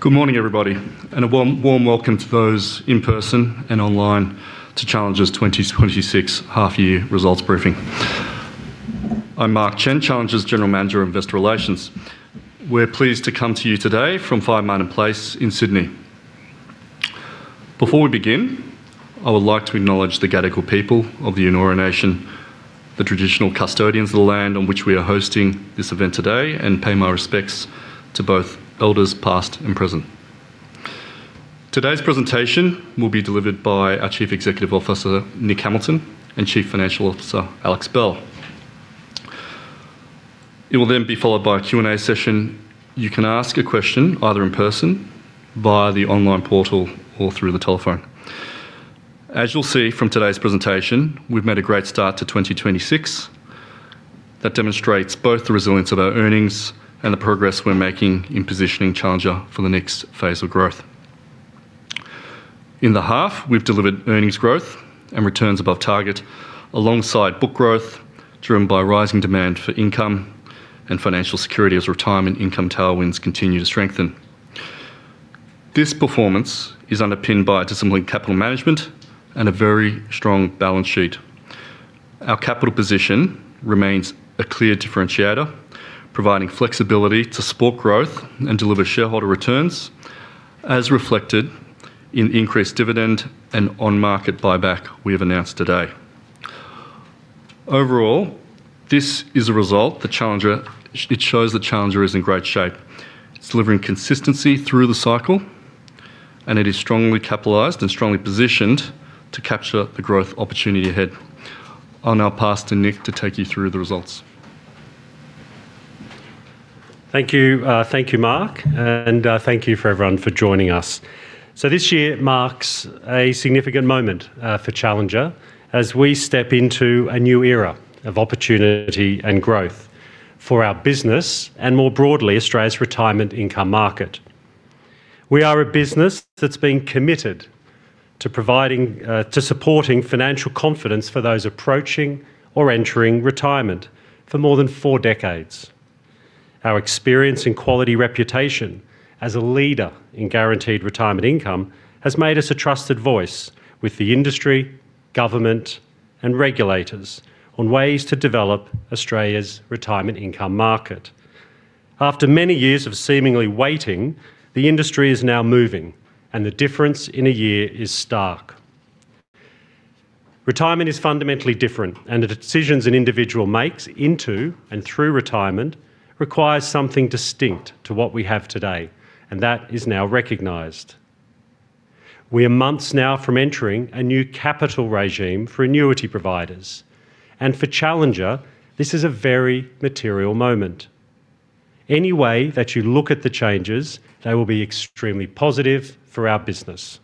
Good morning, everybody, and a warm, warm welcome to those in person and online to Challenger's 2026 half year results briefing. I'm Mark Chen, Challenger's General Manager of Investor Relations. We're pleased to come to you today from Five Martin Place in Sydney. Before we begin, I would like to acknowledge the Gadigal people of the Eora Nation, the traditional custodians of the land on which we are hosting this event today, and pay my respects to both elders, past and present. Today's presentation will be delivered by our Chief Executive Officer, Nick Hamilton; and Chief Financial Officer, Alex Bell. It will then be followed by a Q&A session. You can ask a question either in person, via the online portal, or through the telephone. As you'll see from today's presentation, we've made a great start to 2026. That demonstrates both the resilience of our earnings and the progress we're making in positioning Challenger for the next phase of growth. In the half, we've delivered earnings growth and returns above target, alongside book growth, driven by rising demand for income and financial security as retirement income tailwinds continue to strengthen. This performance is underpinned by disciplined capital management and a very strong balance sheet. Our capital position remains a clear differentiator, providing flexibility to support growth and deliver shareholder returns, as reflected in the increased dividend and on-market buyback we have announced today. Overall, this is a result that Challenger it shows that Challenger is in great shape. It's delivering consistency through the cycle, and it is strongly capitalized and strongly positioned to capture the growth opportunity ahead. I'll now pass to Nick to take you through the results. Thank you, thank you, Mark, and, thank you for everyone for joining us. So this year marks a significant moment, for Challenger as we step into a new era of opportunity and growth for our business, and more broadly, Australia's retirement income market. We are a business that's been committed to providing, to supporting financial confidence for those approaching or entering retirement for more than four decades. Our experience and quality reputation as a leader in guaranteed retirement income has made us a trusted voice with the industry, government, and regulators on ways to develop Australia's retirement income market. After many years of seemingly waiting, the industry is now moving, and the difference in a year is stark. Retirement is fundamentally different, and the decisions an individual makes into and through retirement requires something distinct to what we have today, and that is now recognized. We are months now from entering a new capital regime for annuity providers, and for Challenger, this is a very material moment. Any way that you look at the changes, they will be extremely positive for our business.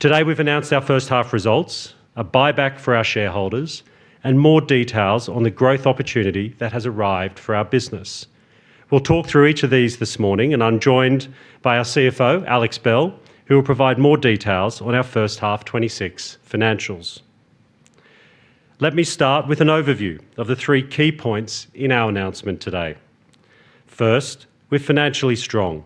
Today, we've announced our H1 results, a buyback for our shareholders, and more details on the growth opportunity that has arrived for our business. We'll talk through each of these this morning, and I'm joined by our CFO, Alex Bell, who will provide more details on our H1 2026 financials. Let me start with an overview of the three key points in our announcement today. First, we're financially strong.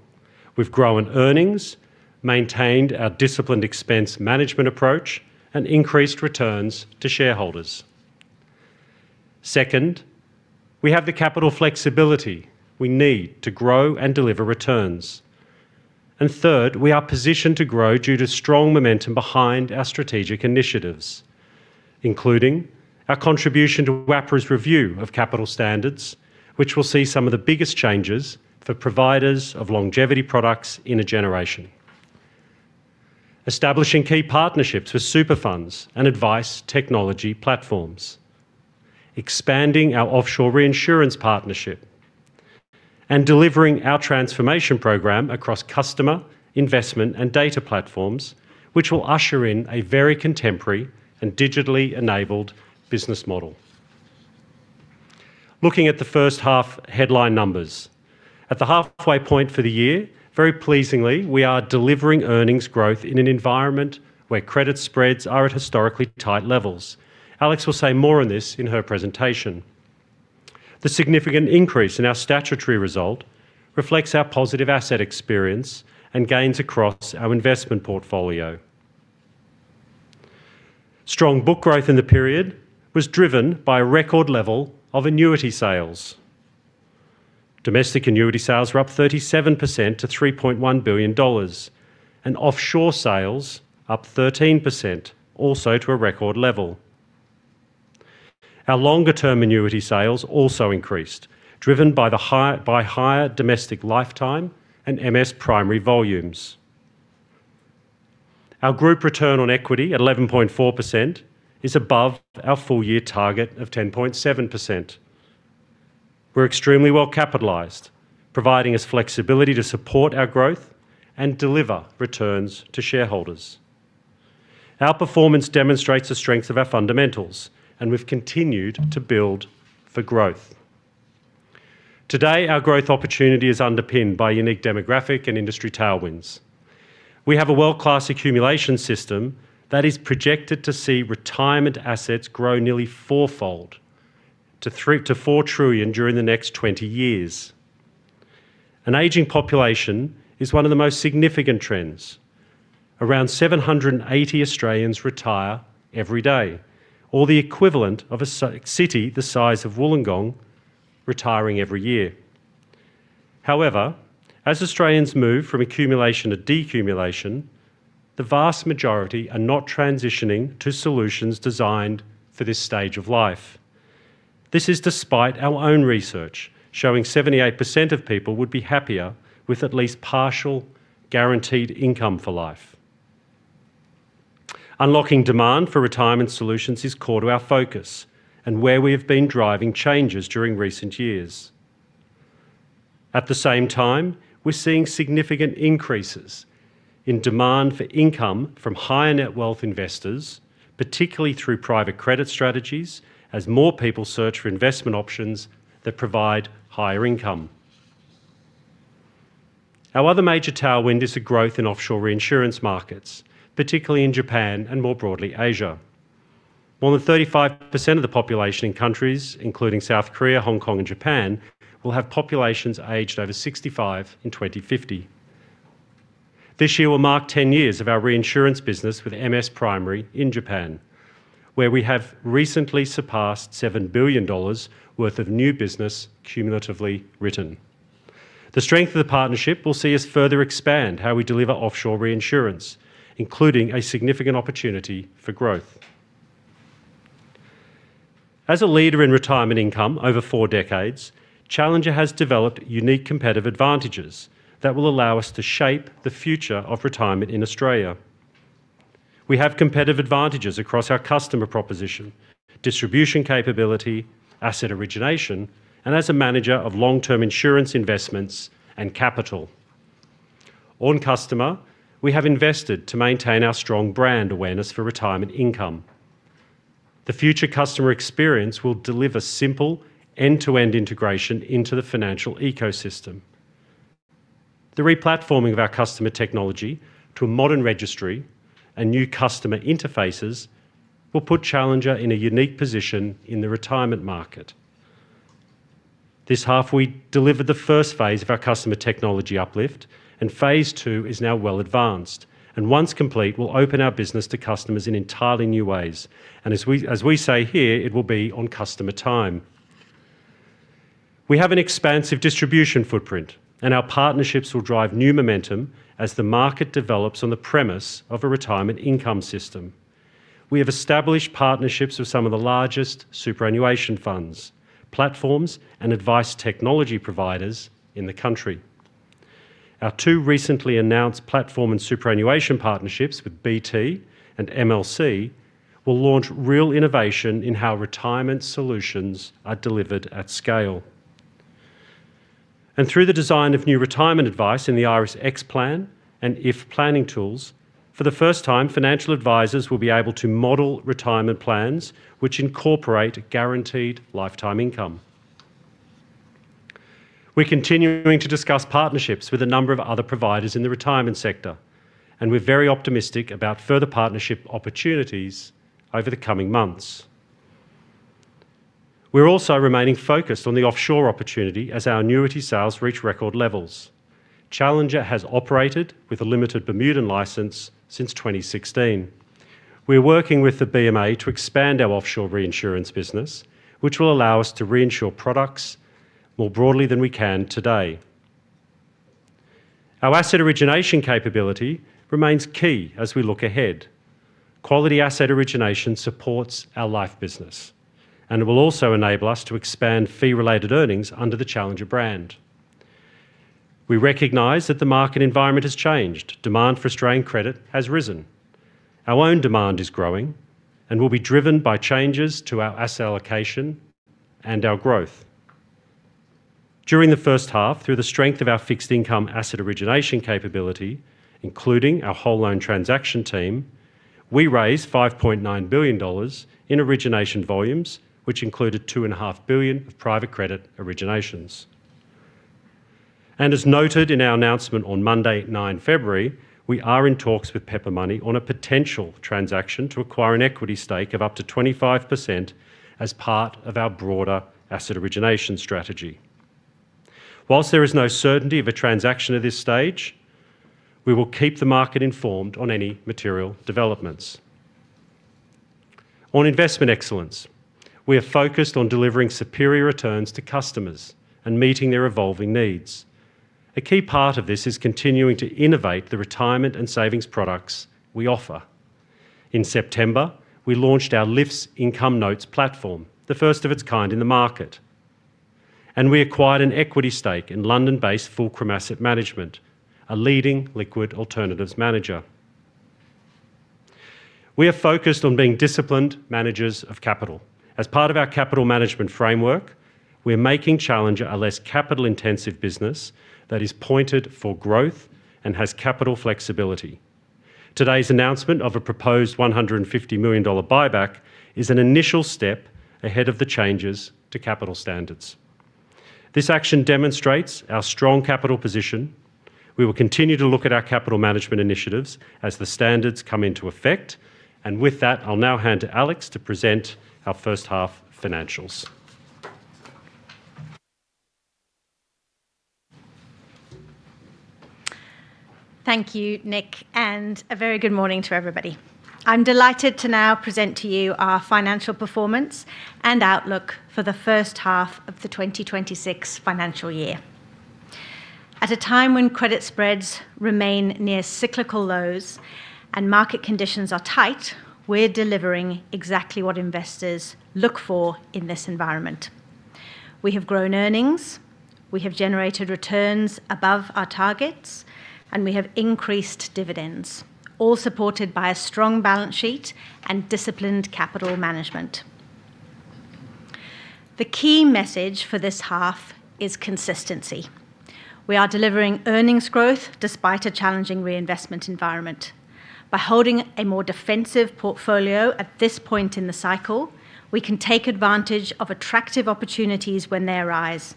We've grown earnings, maintained our disciplined expense management approach, and increased returns to shareholders. Second, we have the capital flexibility we need to grow and deliver returns. And third, we are positioned to grow due to strong momentum behind our strategic initiatives, including our contribution to APRA's review of capital standards, which will see some of the biggest changes for providers of longevity products in a generation. Establishing key partnerships with super funds and advice technology platforms. Expanding our offshore reinsurance partnership. And delivering our transformation program across customer, investment, and data platforms, which will usher in a very contemporary and digitally enabled business model. Looking at the H1 headline numbers. At the halfway point for the year, very pleasingly, we are delivering earnings growth in an environment where credit spreads are at historically tight levels. Alex will say more on this in her presentation. The significant increase in our statutory result reflects our positive asset experience and gains across our investment portfolio. Strong book growth in the period was driven by a record level of annuity sales. Domestic annuity sales were up 37% to 3.1 billion dollars, and offshore sales up 13%, also to a record level. Our longer-term annuity sales also increased, driven by higher domestic lifetime and MS Primary volumes. Our group return on equity at 11.4% is above our full year target of 10.7%. We're extremely well capitalized, providing us flexibility to support our growth and deliver returns to shareholders. Our performance demonstrates the strength of our fundamentals, and we've continued to build for growth. Today, our growth opportunity is underpinned by unique demographic and industry tailwinds. We have a world-class accumulation system that is projected to see retirement assets grow nearly fourfold to 3 trillion-4 trillion during the next 20 years. An aging population is one of the most significant trends. Around 780 Australians retire every day, or the equivalent of a city the size of Wollongong retiring every year. However, as Australians move from accumulation to decumulation, the vast majority are not transitioning to solutions designed for this stage of life. This is despite our own research showing 78% of people would be happier with at least partial guaranteed income for life. Unlocking demand for retirement solutions is core to our focus and where we have been driving changes during recent years. At the same time, we're seeing significant increases in demand for income from higher net wealth investors, particularly through private credit strategies, as more people search for investment options that provide higher income. Our other major tailwind is the growth in offshore reinsurance markets, particularly in Japan and more broadly, Asia. More than 35% of the population in countries including South Korea, Hong Kong, and Japan, will have populations aged over 65 in 2050. This year will mark 10 years of our reinsurance business with MS Primary in Japan, where we have recently surpassed 7 billion dollars worth of new business cumulatively written. The strength of the partnership will see us further expand how we deliver offshore reinsurance, including a significant opportunity for growth. As a leader in retirement income over four decades, Challenger has developed unique competitive advantages that will allow us to shape the future of retirement in Australia. We have competitive advantages across our customer proposition, distribution capability, asset origination, and as a manager of long-term insurance investments and capital. On customer, we have invested to maintain our strong brand awareness for retirement income. The future customer experience will deliver simple end-to-end integration into the financial ecosystem. The re-platforming of our customer technology to a modern registry and new customer interfaces will put Challenger in a unique position in the retirement market. This half, we delivered the first phase of our customer technology uplift, and phase two is now well advanced, and once complete, will open our business to customers in entirely new ways, and as we, as we say here, it will be on customer time. We have an expansive distribution footprint, and our partnerships will drive new momentum as the market develops on the premise of a retirement income system. We have established partnerships with some of the largest superannuation funds, platforms, and advice technology providers in the country. Our two recently announced platform and superannuation partnerships with BT and MLC will launch real innovation in how retirement solutions are delivered at scale. Through the design of new retirement advice in the Iress Xplan and IFA planning tools, for the first time, financial advisors will be able to model retirement plans which incorporate guaranteed lifetime income. We're continuing to discuss partnerships with a number of other providers in the retirement sector, and we're very optimistic about further partnership opportunities over the coming months. We're also remaining focused on the offshore opportunity as our annuity sales reach record levels. Challenger has operated with a limited Bermudan license since 2016. We're working with the BMA to expand our offshore reinsurance business, which will allow us to reinsure products more broadly than we can today. Our asset origination capability remains key as we look ahead. Quality asset origination supports our Life business, and it will also enable us to expand fee-related earnings under the Challenger brand. We recognize that the market environment has changed. Demand for Australian credit has risen. Our own demand is growing and will be driven by changes to our asset allocation and our growth. During the H1, through the strength of our fixed income asset origination capability, including our whole loan transaction team, we raised 5.9 billion dollars in origination volumes, which included 2.5 billion of private credit originations. As noted in our announcement on Monday, 9 February, we are in talks with Pepper Money on a potential transaction to acquire an equity stake of up to 25% as part of our broader asset origination strategy. While there is no certainty of a transaction at this stage, we will keep the market informed on any material developments. On investment excellence, we are focused on delivering superior returns to customers and meeting their evolving needs. A key part of this is continuing to innovate the retirement and savings products we offer. In September, we launched our LiFTS Income Notes platform, the first of its kind in the market, and we acquired an equity stake in London-based Fulcrum Asset Management, a leading liquid alternatives manager. We are focused on being disciplined managers of capital. As part of our capital management framework, we're making Challenger a less capital-intensive business that is pointed for growth and has capital flexibility. Today's announcement of a proposed 150 million dollar buyback is an initial step ahead of the changes to capital standards. This action demonstrates our strong capital position. We will continue to look at our capital management initiatives as the standards come into effect. With that, I'll now hand to Alex to present our H1 financials. Thank you, Nick, and a very good morning to everybody. I'm delighted to now present to you our financial performance and outlook for the H1 of the 2026 financial year. At a time when credit spreads remain near cyclical lows and market conditions are tight, we're delivering exactly what investors look for in this environment. We have grown earnings, we have generated returns above our targets, and we have increased dividends, all supported by a strong balance sheet and disciplined capital management. The key message for this half is consistency. We are delivering earnings growth despite a challenging reinvestment environment. By holding a more defensive portfolio at this point in the cycle, we can take advantage of attractive opportunities when they arise,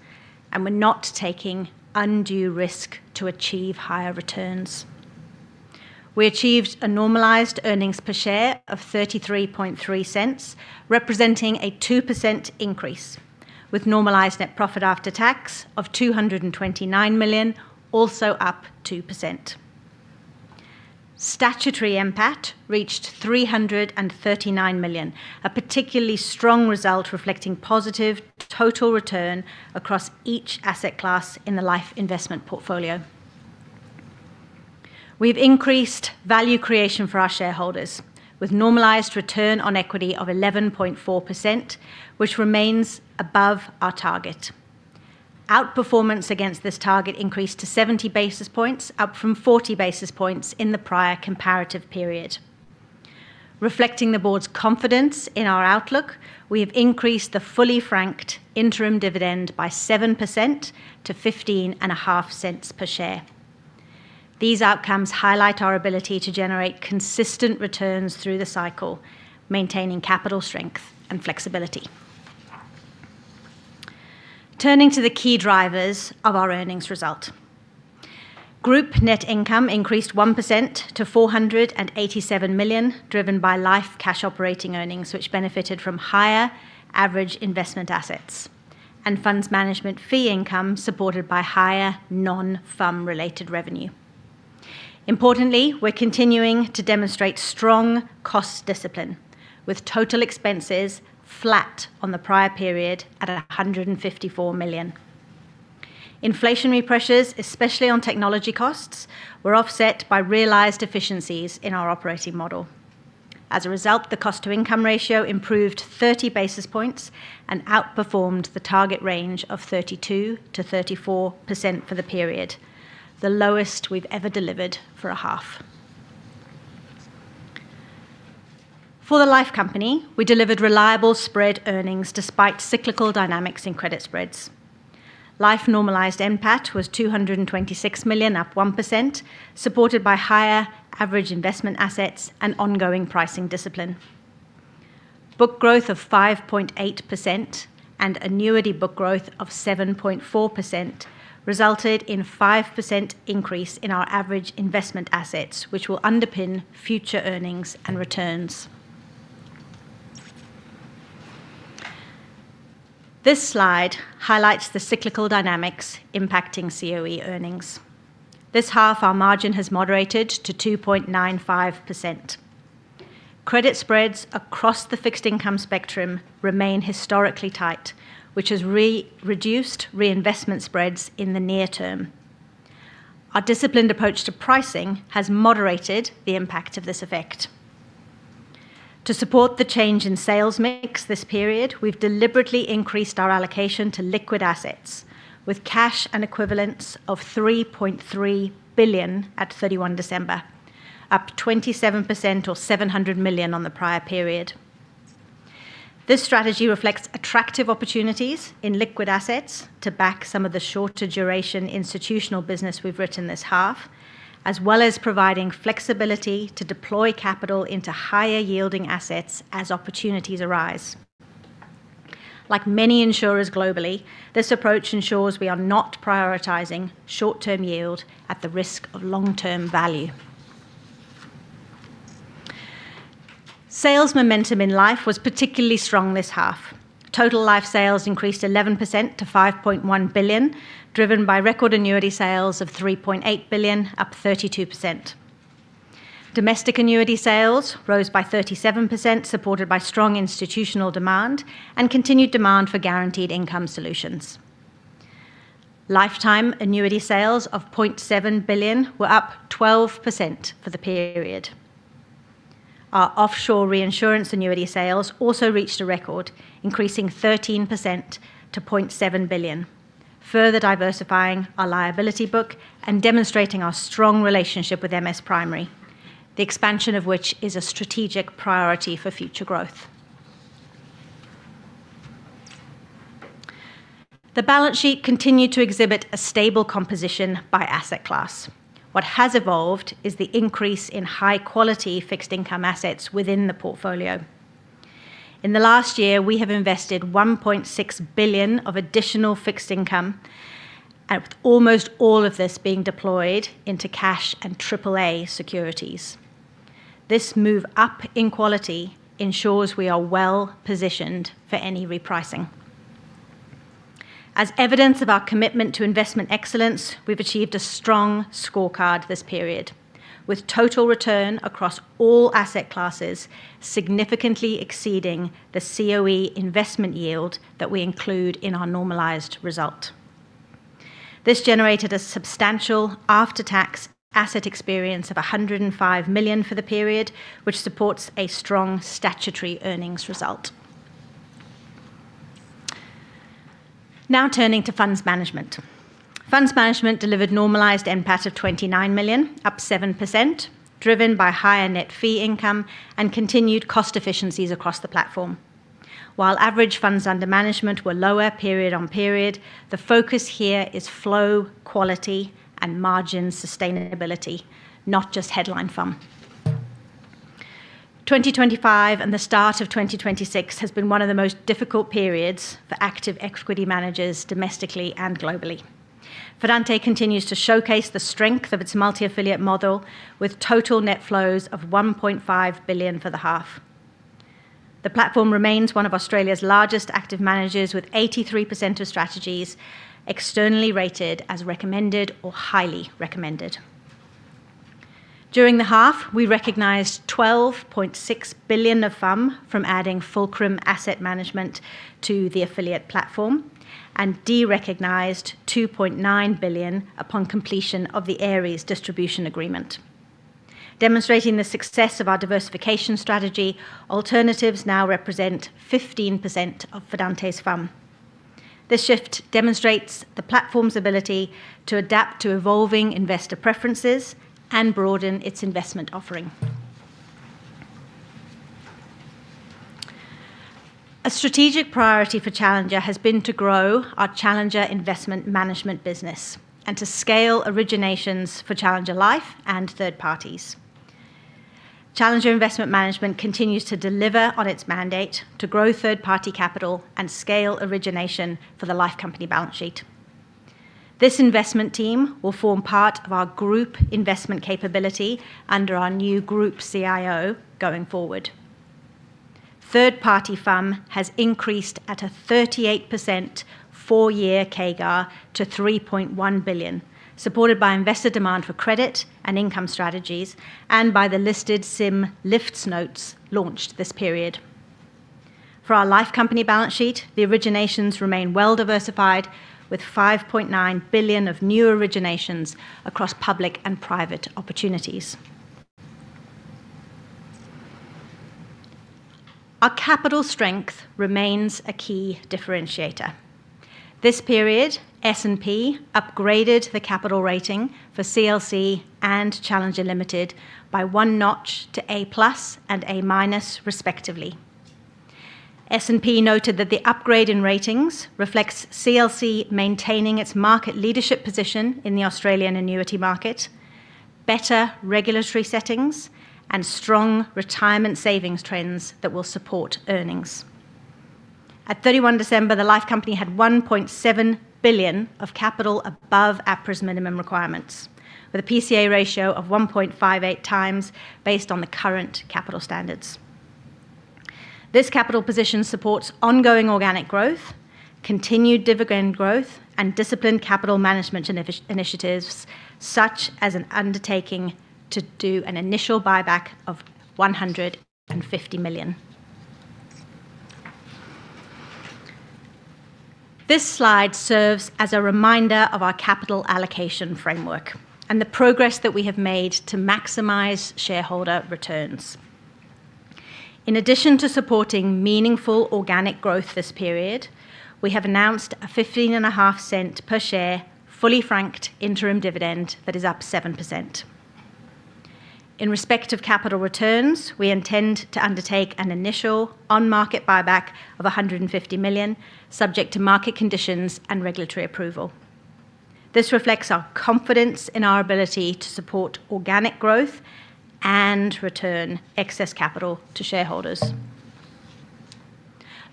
and we're not taking undue risk to achieve higher returns. We achieved a normalized earnings per share of 0.333, representing a 2% increase, with normalized net profit after tax of 229 million, also up 2%. Statutory NPAT reached 339 million, a particularly strong result reflecting positive total return across each asset class in the Life investment portfolio. We've increased value creation for our shareholders, with normalized return on equity of 11.4%, which remains above our target. Outperformance against this target increased to 70 basis points, up from 40 basis points in the prior comparative period. Reflecting the board's confidence in our outlook, we have increased the fully franked interim dividend by 7% to 0.155 per share. These outcomes highlight our ability to generate consistent returns through the cycle, maintaining capital strength and flexibility. Turning to the key drivers of our earnings result. Group net income increased 1% to 487 million, driven by Life cash operating earnings, which benefited from higher average investment assets, and funds management fee income, supported by higher non-FUM-related revenue. Importantly, we're continuing to demonstrate strong cost discipline, with total expenses flat on the prior period at 154 million. Inflationary pressures, especially on technology costs, were offset by realized efficiencies in our operating model. As a result, the cost-to-income ratio improved 30 basis points and outperformed the target range of 32%-34% for the period, the lowest we've ever delivered for a half. For the Life company, we delivered reliable spread earnings despite cyclical dynamics in credit spreads. Life normalized NPAT was 226 million, up 1%, supported by higher average investment assets and ongoing pricing discipline. Book growth of 5.8% and annuity book growth of 7.4% resulted in 5% increase in our average investment assets, which will underpin future earnings and returns. This slide highlights the cyclical dynamics impacting COE earnings. This half, our margin has moderated to 2.95%. Credit spreads across the fixed income spectrum remain historically tight, which has reduced reinvestment spreads in the near term. Our disciplined approach to pricing has moderated the impact of this effect. To support the change in sales mix this period, we've deliberately increased our allocation to liquid assets, with cash and equivalents of 3.3 billion at December 31, up 27% or 700 million on the prior period. This strategy reflects attractive opportunities in liquid assets to back some of the shorter duration institutional business we've written this half, as well as providing flexibility to deploy capital into higher yielding assets as opportunities arise. Like many insurers globally, this approach ensures we are not prioritizing short-term yield at the risk of long-term value. Sales momentum in Life was particularly strong this half. Total Life sales increased 11% to 5.1 billion, driven by record annuity sales of 3.8 billion, up 32%. Domestic annuity sales rose by 37%, supported by strong institutional demand and continued demand for guaranteed income solutions. Lifetime annuity sales of 0.7 billion were up 12% for the period. Our offshore reinsurance annuity sales also reached a record, increasing 13% to 0.7 billion, further diversifying our liability book and demonstrating our strong relationship with MS Primary, the expansion of which is a strategic priority for future growth. The balance sheet continued to exhibit a stable composition by asset class. What has evolved is the increase in high-quality fixed income assets within the portfolio in the last year, we have invested 1.6 billion of additional fixed income, and with almost all of this being deployed into cash and triple-A securities. This move up in quality ensures we are well positioned for any repricing. As evidence of our commitment to investment excellence, we've achieved a strong scorecard this period, with total return across all asset classes significantly exceeding the COE investment yield that we include in our normalized result. This generated a substantial after-tax asset experience of 105 million for the period, which supports a strong statutory earnings result. Now, turning to Funds Management. Funds Management delivered normalized NPAT of 29 million, up 7%, driven by higher net fee income and continued cost efficiencies across the platform. While average funds under management were lower period-on-period, the focus here is flow, quality, and margin sustainability, not just headline FUM. 2025, and the start of 2026, has been one of the most difficult periods for active equity managers, domestically and globally. Fidante continues to showcase the strength of its multi-affiliate model, with total net flows of 1.5 billion for the half. The platform remains one of Australia's largest active managers, with 83% of strategies externally rated as recommended or highly recommended. During the half, we recognized 12.6 billion of FUM from adding Fulcrum Asset Management to the affiliate platform, and de-recognized 2.9 billion upon completion of the Ares distribution agreement. Demonstrating the success of our diversification strategy, alternatives now represent 15% of Fidante's FUM. This shift demonstrates the platform's ability to adapt to evolving investor preferences and broaden its investment offering. A strategic priority for Challenger has been to grow our Challenger Investment Management business, and to scale originations for Challenger Life and third parties. Challenger Investment Management continues to deliver on its mandate to grow third-party capital and scale origination for the Life company balance sheet. This investment team will form part of our group investment capability under our new group CIO going forward. Third-party FUM has increased at a 38% four-year CAGR to 3.1 billion, supported by investor demand for credit and income strategies, and by the listed LiFTS notes launched this period. For our Life company balance sheet, the originations remain well-diversified, with 5.9 billion of new originations across public and private opportunities. Our capital strength remains a key differentiator. This period, S&P upgraded the capital rating for CLC and Challenger Limited by one notch to A+ and A- respectively. S&P noted that the upgrade in ratings reflects CLC maintaining its market leadership position in the Australian annuity market, better regulatory settings, and strong retirement savings trends that will support earnings. At December 31, the Life company had 1.7 billion of capital above APRA's minimum requirements, with a PCA ratio of 1.58x based on the current capital standards. This capital position supports ongoing organic growth, continued dividend growth, and disciplined capital management initiatives, such as an undertaking to do an initial buyback of 150 million. This slide serves as a reminder of our capital allocation framework, and the progress that we have made to maximize shareholder returns. In addition to supporting meaningful organic growth this period, we have announced a 15.5 cent per share, fully franked interim dividend that is up 7%. In respect of capital returns, we intend to undertake an initial on-market buyback of 150 million, subject to market conditions and regulatory approval. This reflects our confidence in our ability to support organic growth and return excess capital to shareholders.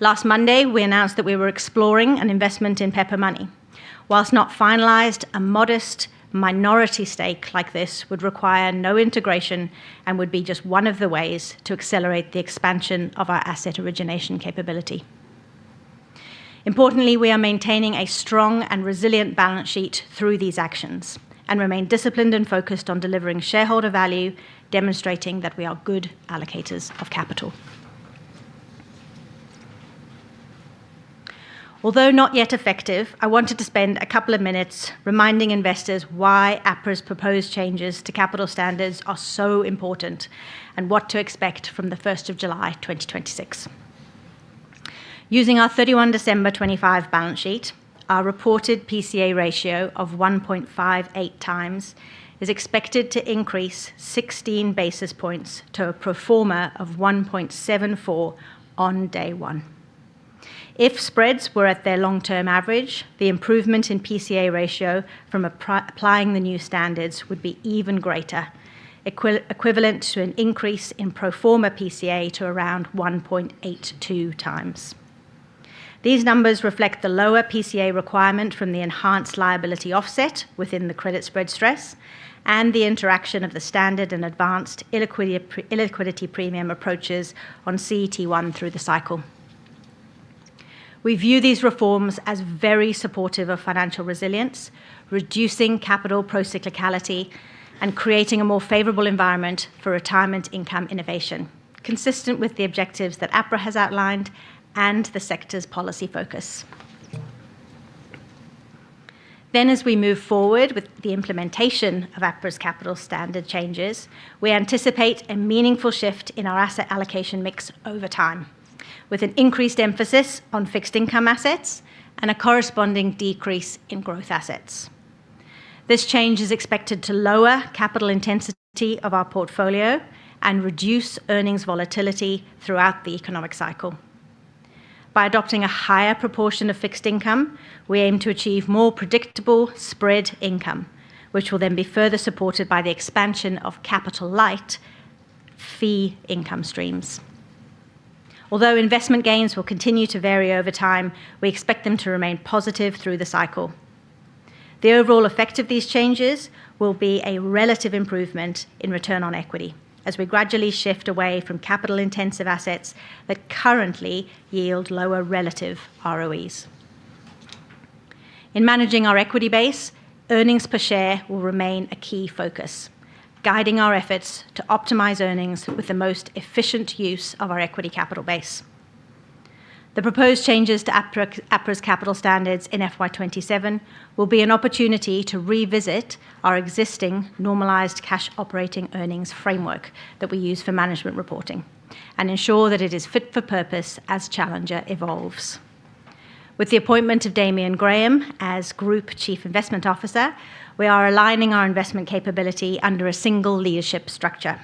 Last Monday, we announced that we were exploring an investment in Pepper Money. While not finalized, a modest minority stake like this would require no integration, and would be just one of the ways to accelerate the expansion of our asset origination capability. Importantly, we are maintaining a strong and resilient balance sheet through these actions, and remain disciplined and focused on delivering shareholder value, demonstrating that we are good allocators of capital. Although not yet effective, I wanted to spend a couple of minutes reminding investors why APRA's proposed changes to capital standards are so important, and what to expect from the first of July 2026. Using our December 31, 2025 balance sheet, our reported PCA ratio of 1.58x is expected to increase 16 basis points to a pro forma of 1.74 on day one. If spreads were at their long-term average, the improvement in PCA ratio from applying the new standards would be even greater, equivalent to an increase in pro forma PCA to around 1.82x. These numbers reflect the lower PCA requirement from the enhanced liability offset within the credit spread stress, and the interaction of the standard and advanced illiquidity premium approaches on CET1 through the cycle. We view these reforms as very supportive of financial resilience, reducing capital procyclicality, and creating a more favorable environment for retirement income innovation, consistent with the objectives that APRA has outlined and the sector's policy focus. Then, as we move forward with the implementation of APRA's capital standard changes, we anticipate a meaningful shift in our asset allocation mix over time, with an increased emphasis on fixed income assets and a corresponding decrease in growth assets. This change is expected to lower capital intensity of our portfolio and reduce earnings volatility throughout the economic cycle. By adopting a higher proportion of fixed income, we aim to achieve more predictable spread income, which will then be further supported by the expansion of capital-light fee income streams. Although investment gains will continue to vary over time, we expect them to remain positive through the cycle. The overall effect of these changes will be a relative improvement in return on equity, as we gradually shift away from capital-intensive assets that currently yield lower relative ROEs. In managing our equity base, earnings per share will remain a key focus, guiding our efforts to optimize earnings with the most efficient use of our equity capital base. The proposed changes to APRA's capital standards in FY 2027 will be an opportunity to revisit our existing normalized cash operating earnings framework that we use for management reporting and ensure that it is fit for purpose as Challenger evolves. With the appointment of Damian Graham as Group Chief Investment Officer, we are aligning our investment capability under a single leadership structure.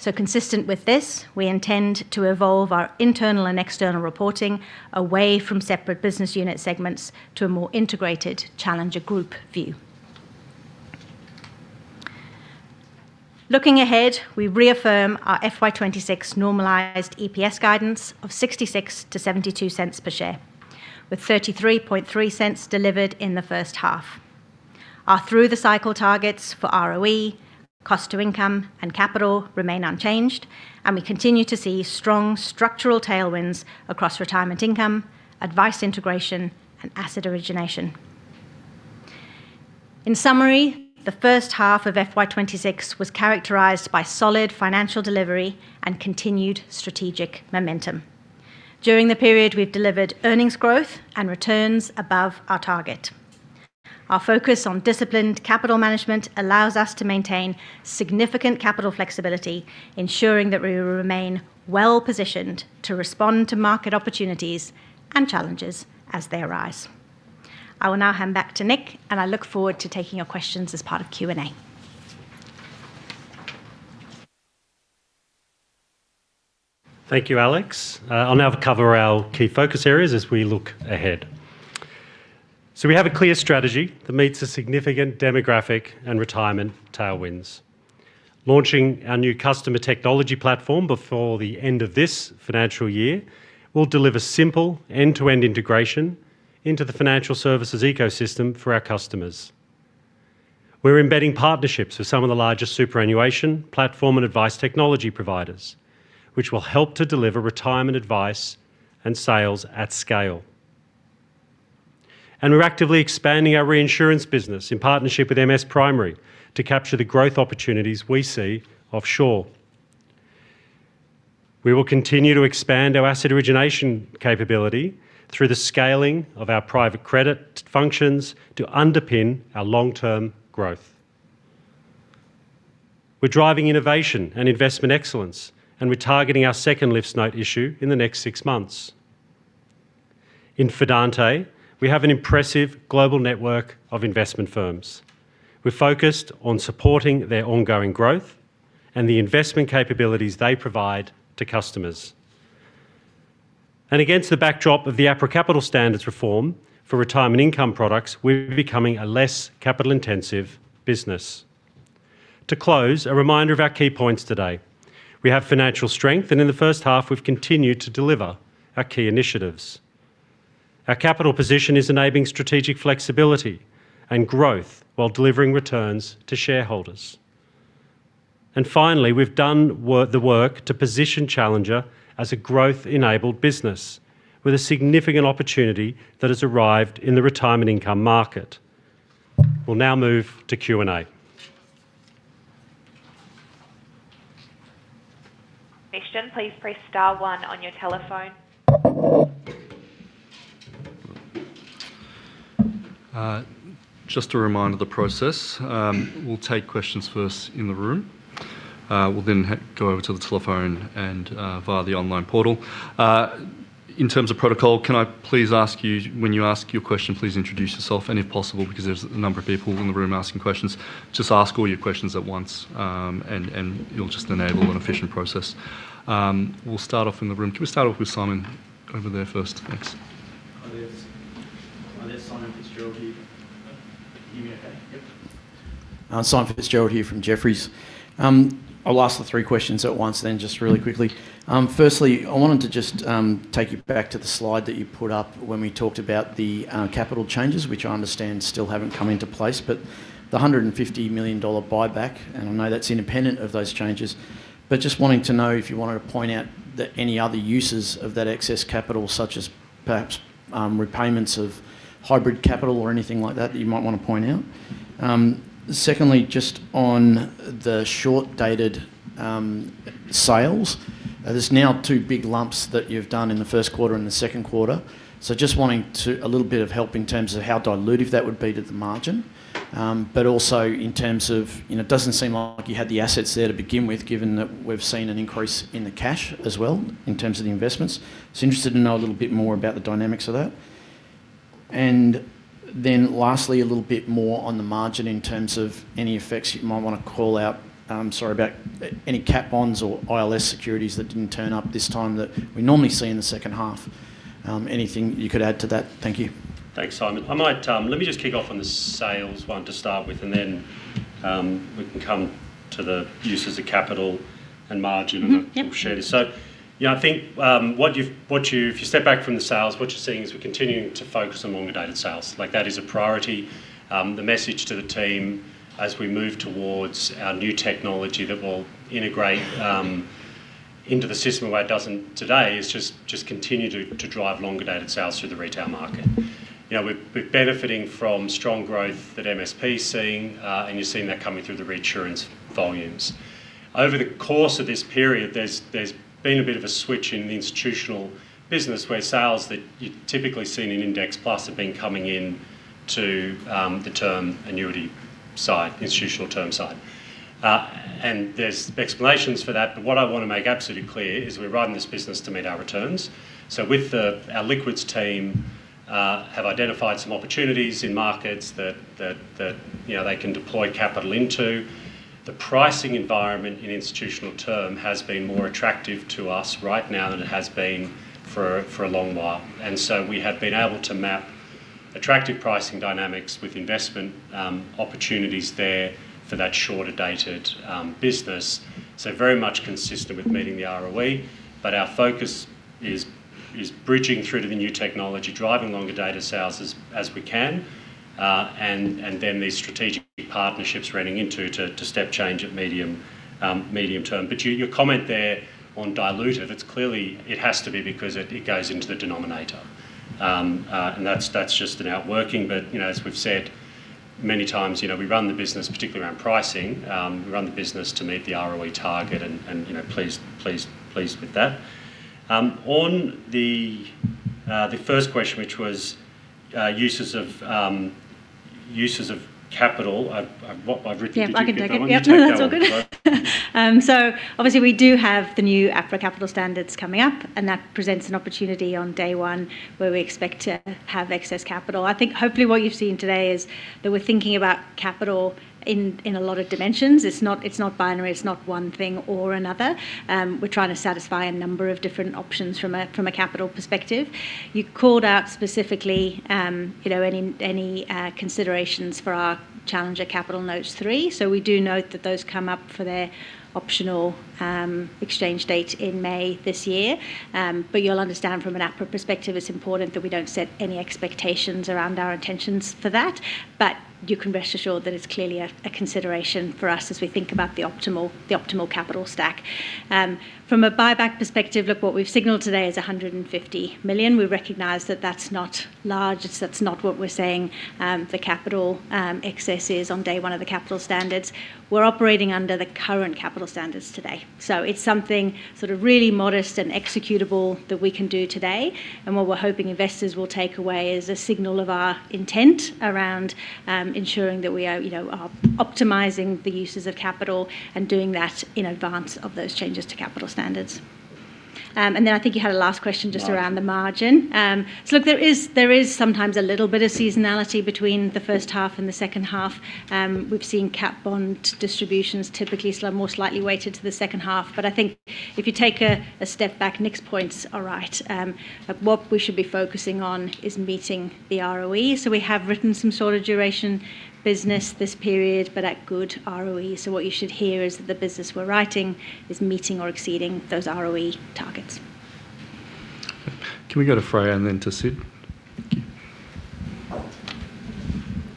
So consistent with this, we intend to evolve our internal and external reporting away from separate business unit segments to a more integrated Challenger group view. Looking ahead, we reaffirm our FY 2026 normalized EPS guidance of 0.66-0.72 per share, with 0.333 delivered in the H1. Our through-the-cycle targets for ROE, cost to income, and capital remain unchanged, and we continue to see strong structural tailwinds across retirement income, advice integration, and asset origination. In summary, the H1 of FY 2026 was characterized by solid financial delivery and continued strategic momentum. During the period, we've delivered earnings growth and returns above our target. Our focus on disciplined capital management allows us to maintain significant capital flexibility, ensuring that we will remain well-positioned to respond to market opportunities and challenges as they arise. I will now hand back to Nick, and I look forward to taking your questions as part of Q&A. Thank you, Alex. I'll now cover our key focus areas as we look ahead. We have a clear strategy that meets the significant demographic and retirement tailwinds. Launching our new customer technology platform before the end of this financial year will deliver simple end-to-end integration into the financial services ecosystem for our customers. We're embedding partnerships with some of the largest superannuation platform and advice technology providers, which will help to deliver retirement advice and sales at scale. We're actively expanding our reinsurance business in partnership with MS Primary to capture the growth opportunities we see offshore. We will continue to expand our asset origination capability through the scaling of our private credit functions to underpin our long-term growth. We're driving innovation and investment excellence, and we're targeting our second LiFTS note issue in the next six months. In Fidante, we have an impressive global network of investment firms. We're focused on supporting their ongoing growth and the investment capabilities they provide to customers. And against the backdrop of the APRA capital standards reform for retirement income products, we're becoming a less capital-intensive business. To close, a reminder of our key points today. We have financial strength, and in the H1, we've continued to deliver our key initiatives. Our capital position is enabling strategic flexibility and growth while delivering returns to shareholders. And finally, we've done the work to position Challenger as a growth-enabled business with a significant opportunity that has arrived in the retirement income market. We'll now move to Q&A. Question, please press star one on your telephone. Just a reminder of the process, we'll take questions first in the room. We'll then go over to the telephone and via the online portal. In terms of protocol, can I please ask you, when you ask your question, please introduce yourself, and if possible, because there's a number of people in the room asking questions, just ask all your questions at once, and it'll just enable an efficient process. We'll start off in the room. Can we start off with Simon over there first? Thanks. Hi, there. There's Simon Fitzgerald here. Can you hear me okay? Yep. Simon Fitzgerald here from Jefferies. I'll ask the three questions at once then, just really quickly. Firstly, I wanted to just take you back to the slide that you put up when we talked about the capital changes, which I understand still haven't come into place. But the 150 million dollar buyback, and I know that's independent of those changes, but just wanting to know if you wanted to point out that any other uses of that excess capital, such as perhaps repayments of hybrid capital or anything like that, that you might want to point out? Secondly, just on the short-dated sales, there's now two big lumps that you've done in the Q1 and the Q2. So just wanting a little bit of help in terms of how dilutive that would be to the margin. But also in terms of, you know, it doesn't seem like you had the assets there to begin with, given that we've seen an increase in the cash as well, in terms of the investments. So interested to know a little bit more about the dynamics of that. And then lastly, a little bit more on the margin in terms of any effects you might want to call out, sorry, about any cat bonds or ILS securities that didn't turn up this time that we normally see in the H2. Anything you could add to that? Thank you. Thanks, Simon. I might, let me just kick off on the sales one to start with, and then, we can come to the uses of capital and margin- Yep. And then we'll share this. So, yeah, I think what you've—if you step back from the sales, what you're seeing is we're continuing to focus on longer-dated sales. Like, that is a priority. The message to the team as we move towards our new technology that will integrate into the system where it doesn't today is just continue to drive longer-dated sales through the retail market. You know, we're benefiting from strong growth that MSP is seeing, and you're seeing that coming through the reinsurance volumes. Over the course of this period, there's been a bit of a switch in the institutional business, where sales that you've typically seen in Index Plus have been coming in to the term annuity side, institutional term side. And there's explanations for that, but what I want to make absolutely clear is we're running this business to meet our returns. So with our liquids team have identified some opportunities in markets that you know they can deploy capital into. The pricing environment in institutional term has been more attractive to us right now than it has been for a long while. And so we have been able to map attractive pricing dynamics with investment opportunities there for that shorter-dated business. So very much consistent with meeting the ROE, but our focus is bridging through to the new technology, driving longer-dated sales as we can, and then these strategic partnerships renting into the step change at medium term. But your comment there on diluted, it's clearly it has to be because it goes into the denominator. And that's just an outworking. But, you know, as we've said many times, you know, we run the business, particularly around pricing, we run the business to meet the ROE target, and, you know, pleased, pleased, pleased with that. On the first question, which was uses of capital, I've wrote. Yeah, I can take it. You take that one. That's all good. So obviously, we do have the new APRA capital standards coming up, and that presents an opportunity on day one where we expect to have excess capital. I think hopefully what you've seen today is that we're thinking about capital in a lot of dimensions. It's not, it's not binary, it's not one thing or another. We're trying to satisfy a number of different options from a capital perspective. You called out specifically, you know, any considerations for our Challenger Capital Notes 3. So we do note that those come up for their optional exchange date in May this year. But you'll understand from an APRA perspective, it's important that we don't set any expectations around our intentions for that. But you can rest assured that it's clearly a consideration for us as we think about the optimal capital stack. From a buyback perspective, look, what we've signaled today is 150 million. We recognize that that's not large, that's not what we're saying, the capital excess is on day one of the capital standards. We're operating under the current capital standards today. So it's something sort of really modest and executable that we can do today, and what we're hoping investors will take away is a signal of our intent around ensuring that we are, you know, optimizing the uses of capital and doing that in advance of those changes to capital standards. And then I think you had a last question just around the margin. Margin. So look, there is, there is sometimes a little bit of seasonality between the H1 and the H2. We've seen cat bond distributions typically slow, more slightly weighted to the H2. But I think if you take a, a step back, Nick's points are right. But what we should be focusing on is meeting the ROE. So we have written some sort of duration business this period, but at good ROE. So what you should hear is that the business we're writing is meeting or exceeding those ROE targets. Can we go to Freya and then to Sid?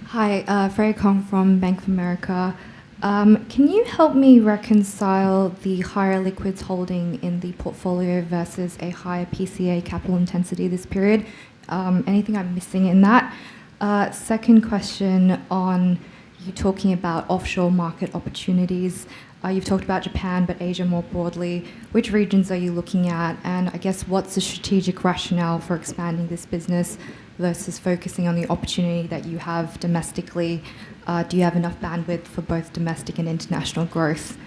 Hi, Freya Kong from Bank of America. Can you help me reconcile the higher liquids holding in the portfolio versus a higher PCA capital intensity this period? Anything I'm missing in that? Second question on you talking about offshore market opportunities. You've talked about Japan, but Asia more broadly. Which regions are you looking at, and I guess, what's the strategic rationale for expanding this business versus focusing on the opportunity that you have domestically? Do you have enough bandwidth for both domestic and international growth?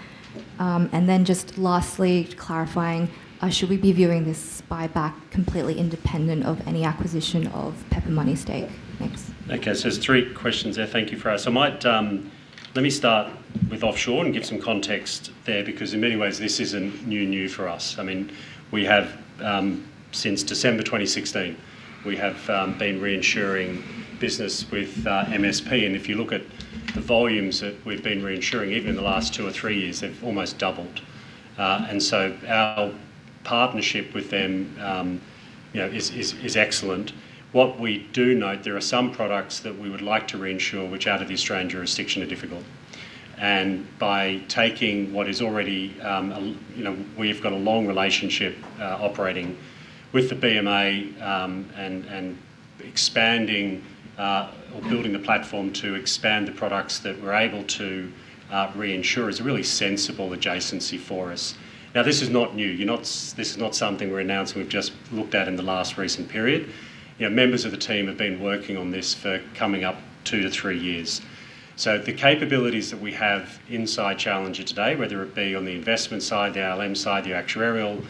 And then just lastly, clarifying, should we be viewing this buyback completely independent of any acquisition of Pepper Money stake? Thank you. Okay, so there's three questions there. Thank you for asking. I might, let me start with offshore and give some context there, because in many ways, this isn't new for us. I mean, we have, since December 2016, we have, been reinsuring business with, MS Primary, and if you look at the volumes that we've been reinsuring, even in the last two or three years, they've almost doubled. And so our partnership with them, you know, is excellent. What we do note, there are some products that we would like to reinsure, which out of the Australian jurisdiction are difficult. And by taking what is already. You know, we've got a long relationship operating with the BMA, and expanding or building the platform to expand the products that we're able to reinsure is a really sensible adjacency for us. Now, this is not new. This is not something we're announcing we've just looked at in the last recent period. You know, members of the team have been working on this for coming up two to three years. So the capabilities that we have inside Challenger today, whether it be on the investment side, the ALM side, the actuarial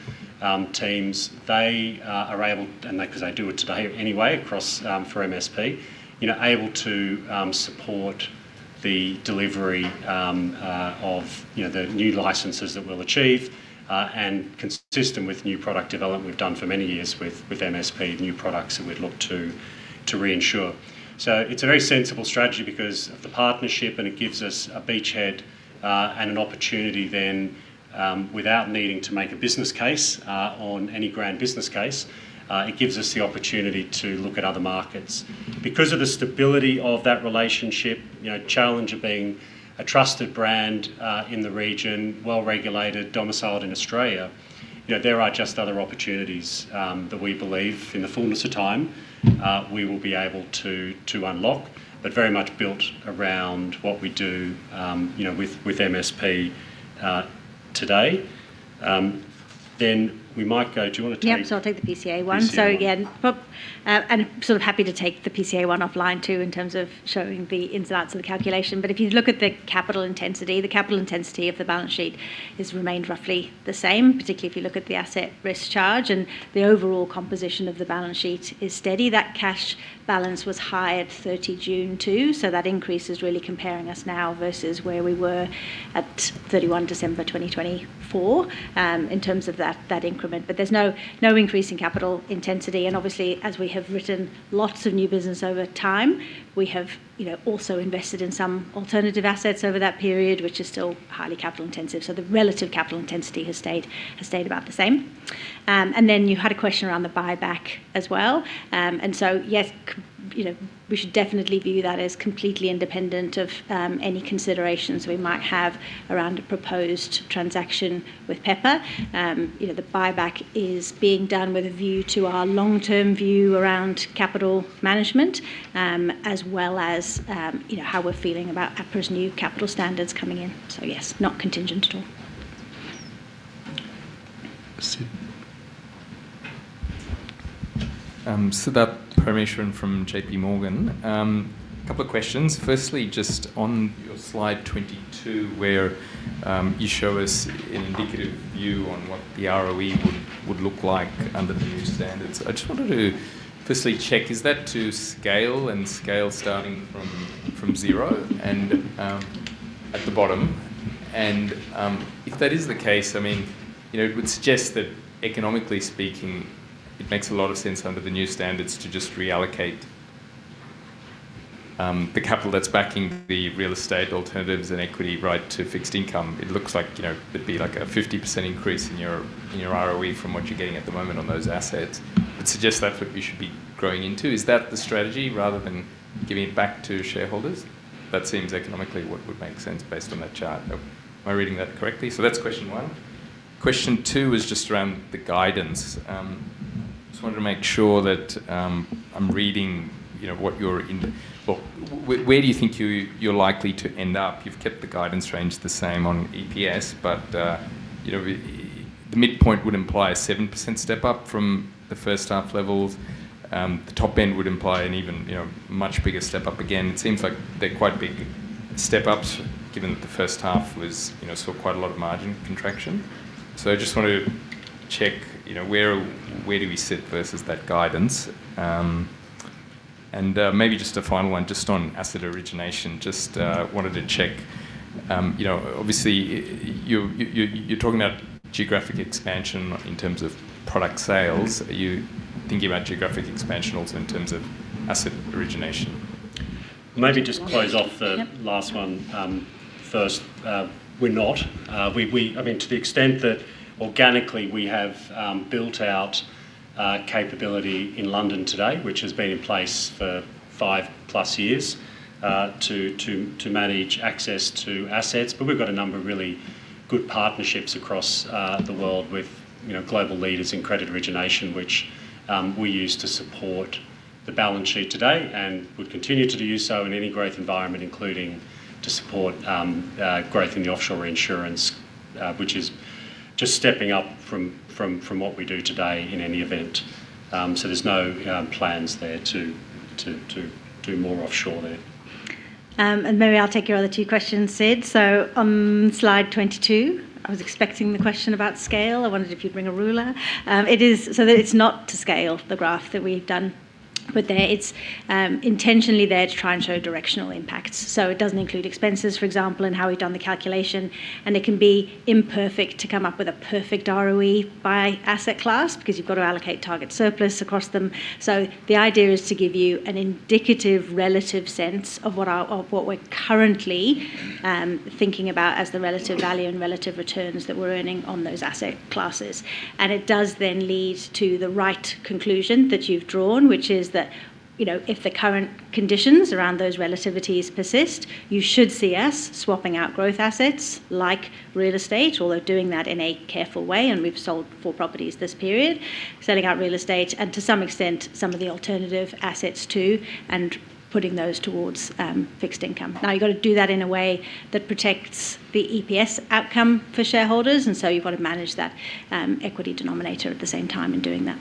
teams, they are able - and they, because they do it today anyway, across for MSP - you know, able to support the delivery of you know, the new licenses that we'll achieve. And consistent with new product development we've done for many years with MSP, new products that we'd look to reinsure. So it's a very sensible strategy because of the partnership, and it gives us a beachhead and an opportunity then, without needing to make a business case on any grand business case. It gives us the opportunity to look at other markets. Because of the stability of that relationship, you know, Challenger being a trusted brand in the region, well-regulated, domiciled in Australia, you know, there are just other opportunities that we believe in the fullness of time we will be able to unlock, but very much built around what we do, you know, with MSP today. Then we might go. Do you want to take? Yep, so I'll take the PCA one. PCA one. So again, well, and sort of happy to take the PCA one offline, too, in terms of showing the ins and outs of the calculation. But if you look at the capital intensity, the capital intensity of the balance sheet has remained roughly the same, particularly if you look at the asset risk charge, and the overall composition of the balance sheet is steady. That cash balance was high at June 30 too, so that increase is really comparing us now versus where we were at December 31, 2024, in terms of that, that increment. But there's no, no increase in capital intensity, and obviously, as we have written lots of new business over time, we have, you know, also invested in some alternative assets over that period, which is still highly capital intensive. So the relative capital intensity has stayed, has stayed about the same. Then you had a question around the buyback as well. So, yes, you know, we should definitely view that as completely independent of any considerations we might have around a proposed transaction with Pepper. You know, the buyback is being done with a view to our long-term view around capital management, as well as, you know, how we're feeling about APRA's new capital standards coming in. So yes, not contingent at all. Sid? Siddharth Parameswaran from JPMorgan. A couple of questions. Firstly, just on your slide 22, where you show us an indicative view on what the ROE would look like under the new standards. I just wanted to firstly check, is that to scale, and scale starting from zero and at the bottom? And if that is the case, I mean, you know, it would suggest that economically speaking, it makes a lot of sense under the new standards to just reallocate the capital that's backing the real estate alternatives and equity right to fixed income. It looks like, you know, it'd be like a 50% increase in your ROE from what you're getting at the moment on those assets. It suggests that's what you should be growing into. Is that the strategy, rather than giving it back to shareholders? That seems economically what would make sense based on that chart. Am I reading that correctly? So that's question one. Question two is just around the guidance. Just wanted to make sure that, I'm reading, you know, what you're in. Well, where, where do you think you're likely to end up? You've kept the guidance range the same on EPS, but, you know, the midpoint would imply a 7% step up from the H1 levels. The top end would imply an even, you know, much bigger step up again. It seems like they're quite big step ups, given that the H1 was, you know, saw quite a lot of margin contraction. So I just want to check, you know, where, where do we sit versus that guidance? And, maybe just a final one, just on asset origination. Just wanted to check, you know, obviously, you're talking about geographic expansion in terms of product sales. Are you thinking about geographic expansion also in terms of asset origination? Maybe just close off- Yep. The last one, first. We're not. I mean, to the extent that organically we have built out capability in London today, which has been in place for five plus years to manage access to assets. But we've got a number of really good partnerships across the world with, you know, global leaders in credit origination, which we use to support the balance sheet today, and would continue to do so in any growth environment, including to support growth in the offshore insurance, which is just stepping up from what we do today in any event. So there's no plans there to do more offshore there. And maybe I'll take your other two questions, Sid. So on slide 22, I was expecting the question about scale. I wondered if you'd bring a ruler. It is so that it's not to scale, the graph that we've done. But there, it's intentionally there to try and show directional impacts. So it doesn't include expenses, for example, and how we've done the calculation, and it can be imperfect to come up with a perfect ROE by asset class, because you've got to allocate target surplus across them. So the idea is to give you an indicative, relative sense of what we're currently thinking about as the relative value and relative returns that we're earning on those asset classes. It does then lead to the right conclusion that you've drawn, which is that, you know, if the current conditions around those relativities persist, you should see us swapping out growth assets like real estate, although doing that in a careful way, and we've sold four properties this period. Selling out real estate, and to some extent, some of the alternative assets too, and putting those towards, fixed income. Now, you've got to do that in a way that protects the EPS outcome for shareholders, and so you've got to manage that, equity denominator at the same time in doing that.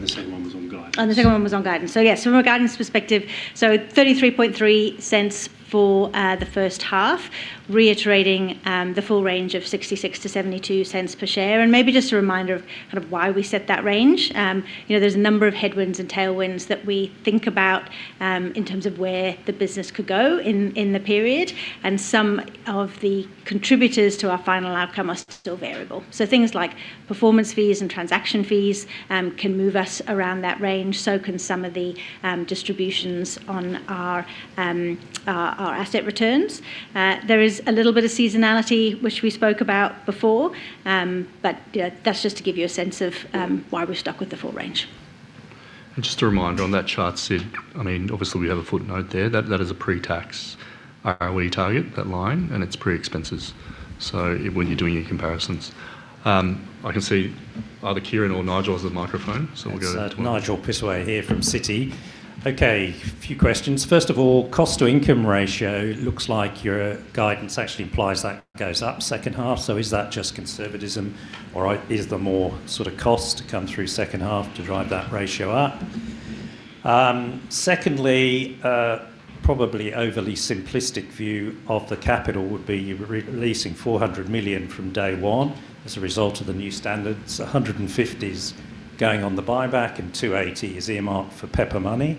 The second one was on guidance. And the second one was on guidance. So yes, from a guidance perspective, so 33.3 cents for the H1, reiterating the full range of 0.66-0.72 per share. And maybe just a reminder of kind of why we set that range. You know, there's a number of headwinds and tailwinds that we think about in terms of where the business could go in the period, and some of the contributors to our final outcome are still variable. So things like performance fees and transaction fees can move us around that range, so can some of the distributions on our asset returns. There is a little bit of seasonality, which we spoke about before, but that's just to give you a sense of why we've stuck with the full range. And just a reminder, on that chart, Sid, I mean, obviously, we have a footnote there. That, that is a pre-tax ROE target, that line, and it's pre-expenses. So when you're doing your comparisons. I can see either Kieran or Nigel has the microphone, so we'll go- It's Nigel Pittaway here from Citi. Okay, a few questions. First of all, cost-to-income ratio looks like your guidance actually implies that goes up H2. So is that just conservatism or is there more sort of cost to come through H2 to drive that ratio up? Secondly, probably overly simplistic view of the capital would be you're re-releasing 400 million from day one as a result of the new standards, 150 million is going on the buyback, and 280 million is earmarked for Pepper Money.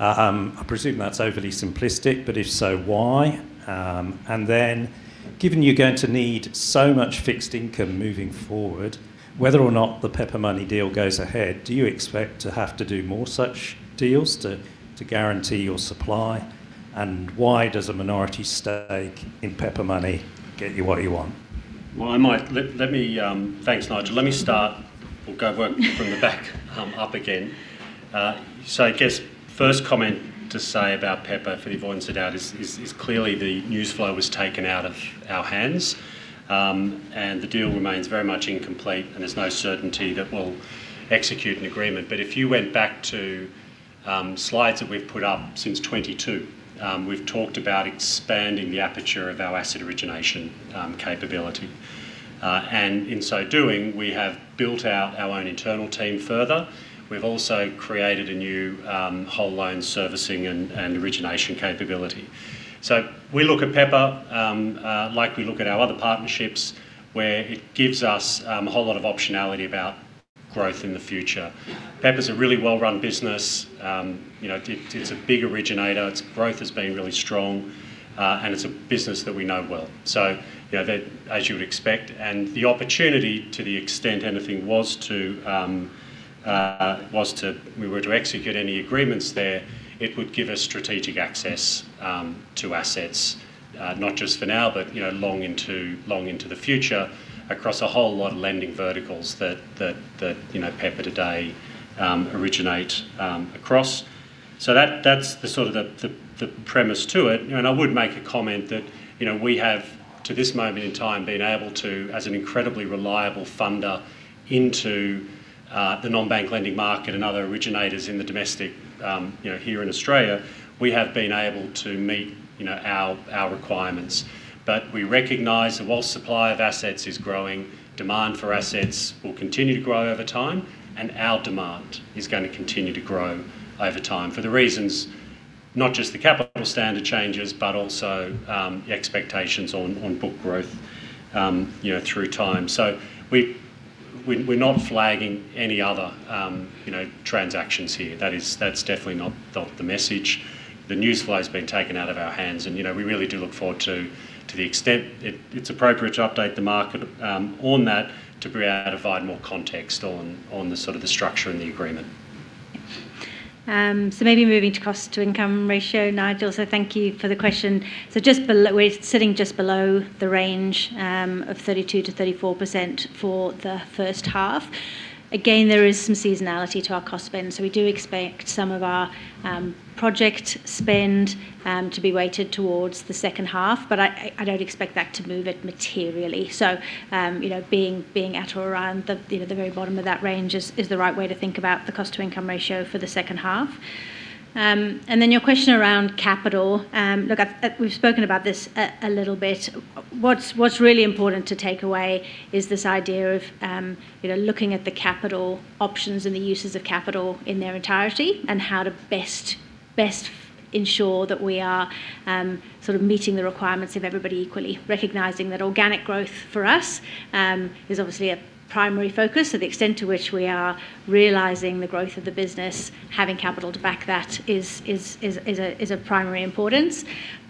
I presume that's overly simplistic, but if so, why? And then, given you're going to need so much fixed income moving forward, whether or not the Pepper Money deal goes ahead, do you expect to have to do more such deals to guarantee your supply? Why does a minority stake in Pepper Money get you what you want? Well, let me. Thanks, Nigel. Let me start. We'll go work from the back up again. So I guess first comment to say about Pepper, for the avoidance of doubt, is clearly the news flow was taken out of our hands, and the deal remains very much incomplete, and there's no certainty that we'll execute an agreement. But if you went back to slides that we've put up since 2022, we've talked about expanding the aperture of our asset origination capability. And in so doing, we have built out our own internal team further. We've also created a new whole loan servicing and origination capability. So we look at Pepper like we look at our other partnerships, where it gives us a whole lot of optionality about growth in the future. Pepper is a really well-run business. You know, it, it's a big originator. Its growth has been really strong, and it's a business that we know well. So, you know, that as you would expect, and the opportunity to the extent anything was to, we were to execute any agreements there, it would give us strategic access to assets, not just for now, but, you know, long into the future, across a whole lot of lending verticals that, you know, Pepper today originate across. So that, that's the sort of the premise to it. You know, I would make a comment that, you know, we have, to this moment in time, been able to, as an incredibly reliable funder into the non-bank lending market and other originators in the domestic, you know, here in Australia, we have been able to meet, you know, our, our requirements. But we recognize that while supply of assets is growing, demand for assets will continue to grow over time, and our demand is going to continue to grow over time, for the reasons, not just the capital standard changes, but also the expectations on, on book growth, you know, through time. So we're not flagging any other, you know, transactions here. That's definitely not the message. The news flow has been taken out of our hands and, you know, we really do look forward to, to the extent it, it's appropriate to update the market, on that, to provide more context on, on the sort of the structure and the agreement. So maybe moving to cost-to-income ratio, Nigel, so thank you for the question. So just below—we're sitting just below the range of 32%-34% for the H1. Again, there is some seasonality to our cost spend, so we do expect some of our project spend to be weighted towards the H2, but I don't expect that to move it materially. So, you know, being at or around the very bottom of that range is the right way to think about the cost-to-income ratio for the H2. And then your question around capital, look, I've, we've spoken about this a little bit. What's really important to take away is this idea of, you know, looking at the capital options and the uses of capital in their entirety and how to best ensure that we are sort of meeting the requirements of everybody equally, recognizing that organic growth for us is obviously a primary focus. So the extent to which we are realizing the growth of the business, having capital to back that is of primary importance.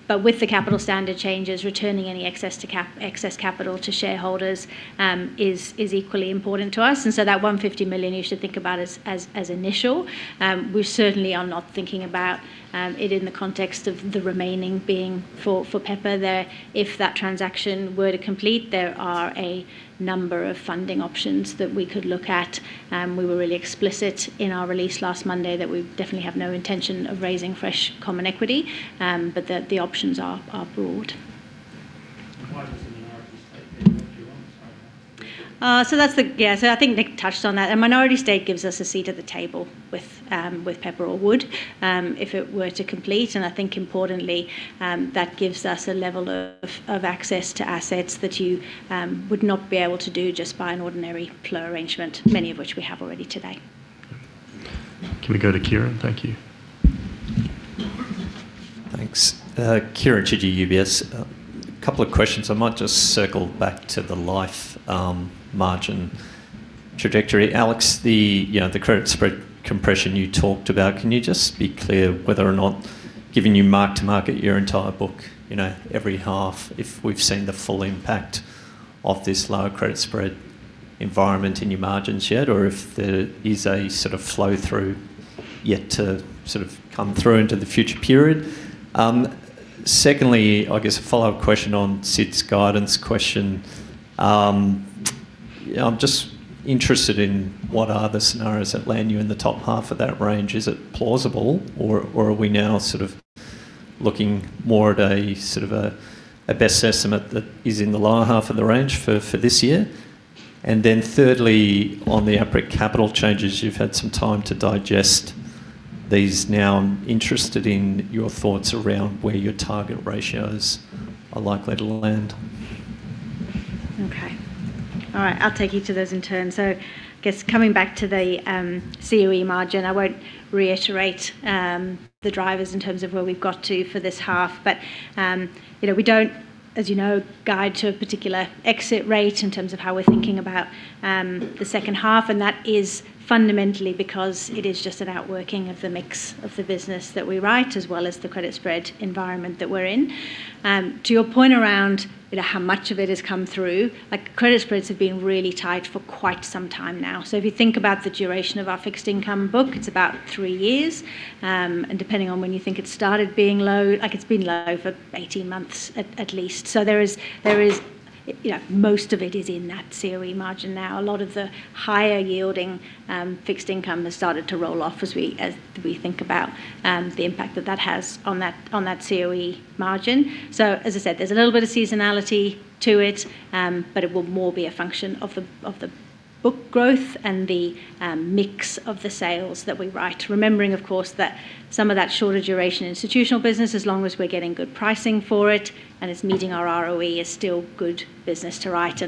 But with the capital standard changes, returning any excess capital to shareholders is equally important to us. And so that 150 million you should think about as initial. We certainly are not thinking about it in the context of the remaining being for Pepper there. If that transaction were to complete, there are a number of funding options that we could look at. We were really explicit in our release last Monday that we definitely have no intention of raising fresh common equity, but that the options are broad. Why does the minority stake then work for you? So that's the, so I think Nick touched on that. A minority stake gives us a seat at the table with, with Pepper Money, if it were to complete, and I think importantly, that gives us a level of, of access to assets that you, would not be able to do just by an ordinary flow arrangement, many of which we have already today. Can we go to Kieren? Thank you. Thanks. Kieren Chidgey, UBS. A couple of questions. I might just circle back to the life, margin trajectory. Alex, the, you know, the credit spread compression you talked about, can you just be clear whether or not giving you mark to market your entire book, you know, every half, if we've seen the full impact of this lower credit spread environment in your margins yet, or if there is a sort of flow-through yet to sort of come through into the future period? Secondly, I guess a follow-up question on Sid's guidance question. I'm just interested in what are the scenarios that land you in the top half of that range. Is it plausible, or are we now sort of looking more at a sort of a best estimate that is in the lower half of the range for this year? And then thirdly, on the APRA capital changes, you've had some time to digest these now. I'm interested in your thoughts around where your target ratios are likely to land. Okay. All right, I'll take you to those in turn. So I guess coming back to the COE margin, I won't reiterate the drivers in terms of where we've got to for this half. But, you know, we don't, as you know, guide to a particular exit rate in terms of how we're thinking about the H2, and that is fundamentally because it is just an outworking of the mix of the business that we write, as well as the credit spread environment that we're in. To your point around, you know, how much of it has come through, like, credit spreads have been really tight for quite some time now. So if you think about the duration of our fixed income book, it's about three years, and depending on when you think it started being low, like it's been low for 18 months at least. So there is, you know, most of it is in that COE margin now. A lot of the higher yielding fixed income has started to roll off as we think about the impact that that has on that COE margin. So as I said, there's a little bit of seasonality to it, but it will more be a function of the book growth and the mix of the sales that we write. Remembering, of course, that some of that shorter duration institutional business, as long as we're getting good pricing for it and it's meeting our ROE, is still good business to write.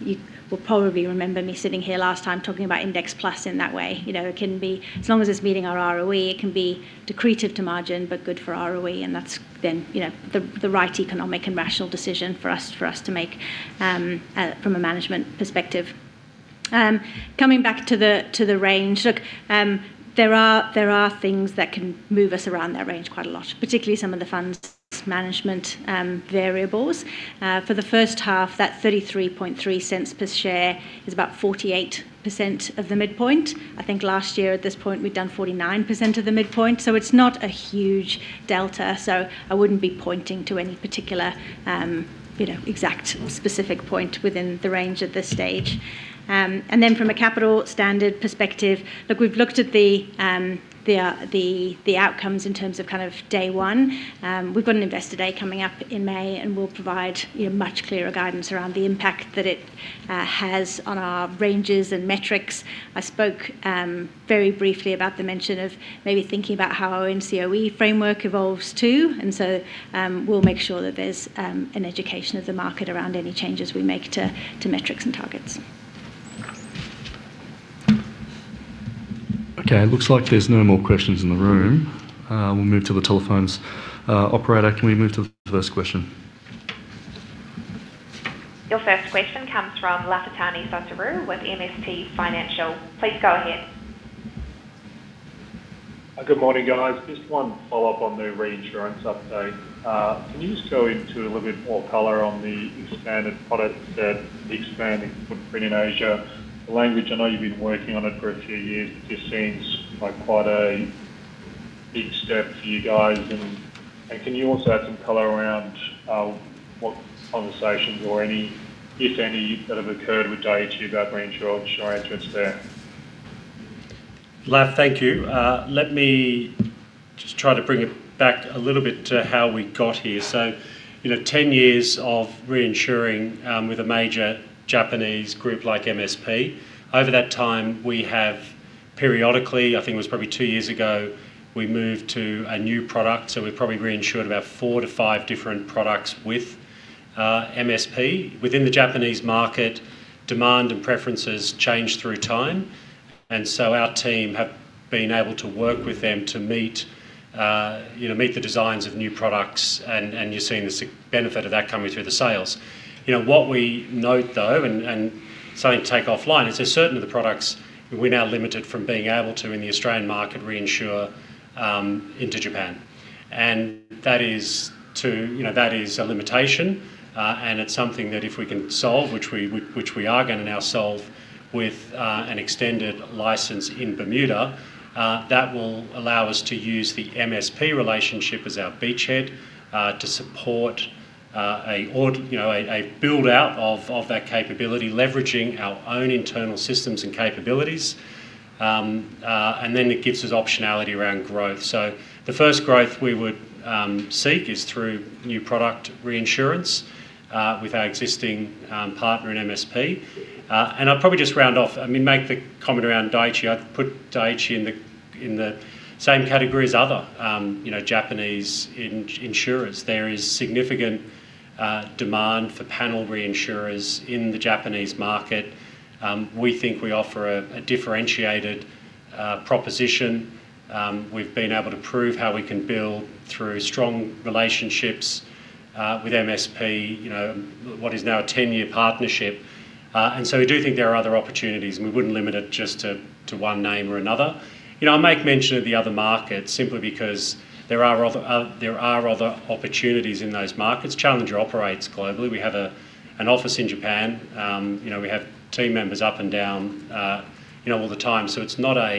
You will probably remember me sitting here last time talking about Index Plus in that way. You know, it can be as long as it's meeting our ROE, it can be accretive to margin, but good for ROE, and that's then, you know, the, the right economic and rational decision for us to make from a management perspective. Coming back to the range. Look, there are things that can move us around that range quite a lot, particularly some of the funds management variables. For the H1, that 0.333 per share is about 48% of the midpoint. I think last year at this point, we'd done 49% of the midpoint, so it's not a huge delta, so I wouldn't be pointing to any particular, you know, exact specific point within the range at this stage. And then from a capital standard perspective, look, we've looked at the outcomes in terms of kind of day one. We've got an Investor Day coming up in May, and we'll provide, you know, much clearer guidance around the impact that it has on our ranges and metrics. I spoke very briefly about the mention of maybe thinking about how our own COE framework evolves, too. And so, we'll make sure that there's an education of the market around any changes we make to metrics and targets. Okay, it looks like there's no more questions in the room. We'll move to the telephones. Operator, can we move to the first question? Your first question comes from Lafitani Sotiriou with MST Financial. Please go ahead. Good morning, guys. Just one follow-up on the reinsurance update. Can you just go into a little bit more color on the expanded products that the expanding footprint in Asia? The language, I know you've been working on it for a few years, but this seems like quite a big step for you guys. And, and can you also add some color around what conversations or any, if any, that have occurred with Dai-ichi about reinsurance or interest there? Laf, thank you. Let me just try to bring it back a little bit to how we got here. So, you know, 10 years of reinsuring with a major Japanese group like MSP. Over that time, we have periodically, I think it was probably two years ago, we moved to a new product, so we've probably reinsured about four to five different products with MSP. Within the Japanese market, demand and preferences change through time. And so our team have been able to work with them to meet, you know, meet the designs of new products, and you're seeing the significant benefit of that coming through the sales. You know, what we note, though, and something to take offline, is there's certain of the products we're now limited from being able to, in the Australian market, reinsure into Japan. And that is, you know, that is a limitation, and it's something that if we can solve, which we are going to now solve with an extended license in Bermuda, that will allow us to use the MSP relationship as our beachhead to support an orderly build-out of that capability, leveraging our own internal systems and capabilities. And then it gives us optionality around growth. So the first growth we would seek is through new product reinsurance with our existing partner in MS Primary. And I'll probably just round off, I mean, make the comment around Dai-ichi. I'd put Dai-ichi in the same category as other, you know, Japanese insurers. There is significant demand for panel reinsurers in the Japanese market. We think we offer a differentiated proposition. We've been able to prove how we can build through strong relationships with MS Primary, you know, what is now a 10-year partnership. And so we do think there are other opportunities, and we wouldn't limit it just to one name or another. You know, I make mention of the other markets simply because there are other opportunities in those markets. Challenger operates globally. We have an office in Japan. You know, we have team members up and down, you know, all the time. So it's not a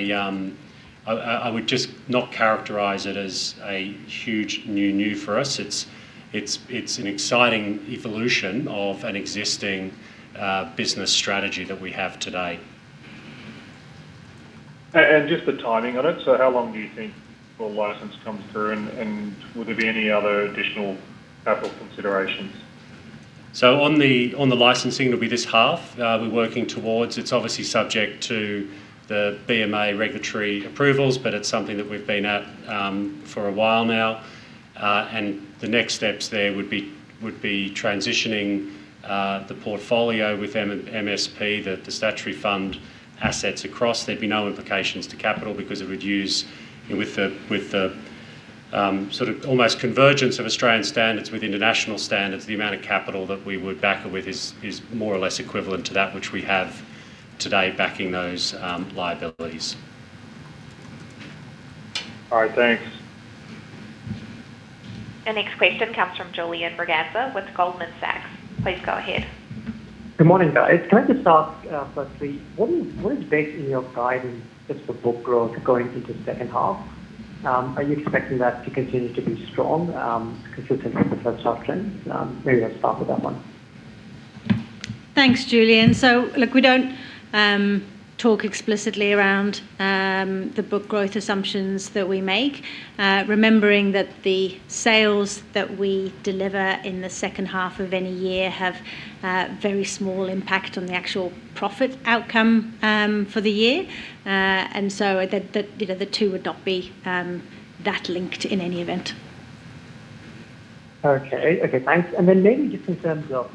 huge new for us. It's an exciting evolution of an existing business strategy that we have today. And just the timing on it, so how long do you think the license comes through, and will there be any other additional capital considerations? So on the licensing, it'll be this half. We're working towards it's obviously subject to the BMA regulatory approvals, but it's something that we've been at for a while now. And the next steps there would be transitioning the portfolio with MS Primary, the statutory fund assets across. There'd be no implications to capital because it would use with the sort of almost convergence of Australian standards with international standards, the amount of capital that we would back it with is more or less equivalent to that which we have today backing those liabilities. All right, thanks. The next question comes from Julian Braganza with Goldman Sachs. Please go ahead. Good morning, guys. Can I just start, firstly, what is, what is baked in your guidance just for book growth going into the H2? Are you expecting that to continue to be strong, consistent with the first option? Maybe let's start with that one. Thanks, Julian. So look, we don't talk explicitly around the book growth assumptions that we make, remembering that the sales that we deliver in the H2 of any year have very small impact on the actual profit outcome for the year. And so the you know, the two would not be that linked in any event. Okay. Okay, thanks. And then maybe just in terms of,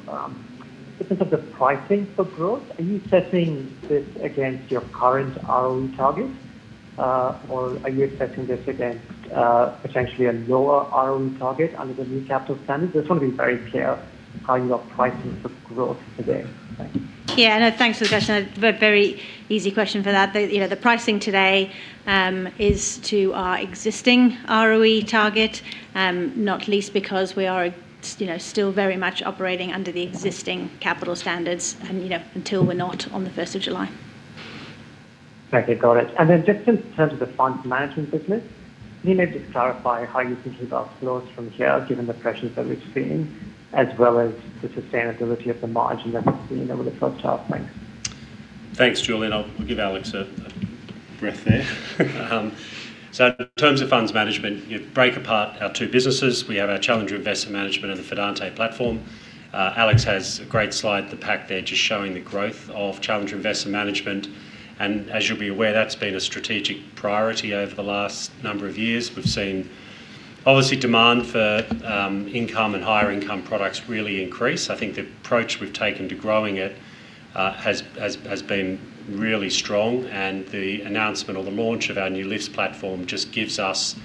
in terms of the pricing for growth, are you testing this against your current ROE targets, or are you testing this against, potentially a lower ROE target under the new capital standard? Just want to be very clear how you're pricing for growth today. Thank you. Yeah, no, thanks for the question. A very easy question for that. The, you know, the pricing today is to our existing ROE target, not least because we are, you know, still very much operating under the existing capital standards, and, you know, until we're not on the first of July. Thank you. Got it. And then just in terms of the funds management business, can you maybe clarify how you're thinking about flows from here, given the pressures that we've seen, as well as the sustainability of the margin that we've seen over the H1? Thanks. Thanks, Julian. I'll give Alex a breath there. So in terms of funds management, you break apart our two businesses. We have our Challenger Investment Management and the Fidante platform. Alex has a great slide in the pack there, just showing the growth of Challenger Investment Management, and as you'll be aware, that's been a strategic priority over the last number of years. We've seen, obviously, demand for income and higher income products really increase. I think the approach we've taken to growing it has been really strong, and the announcement or the launch of our new LiFTS platform just gives us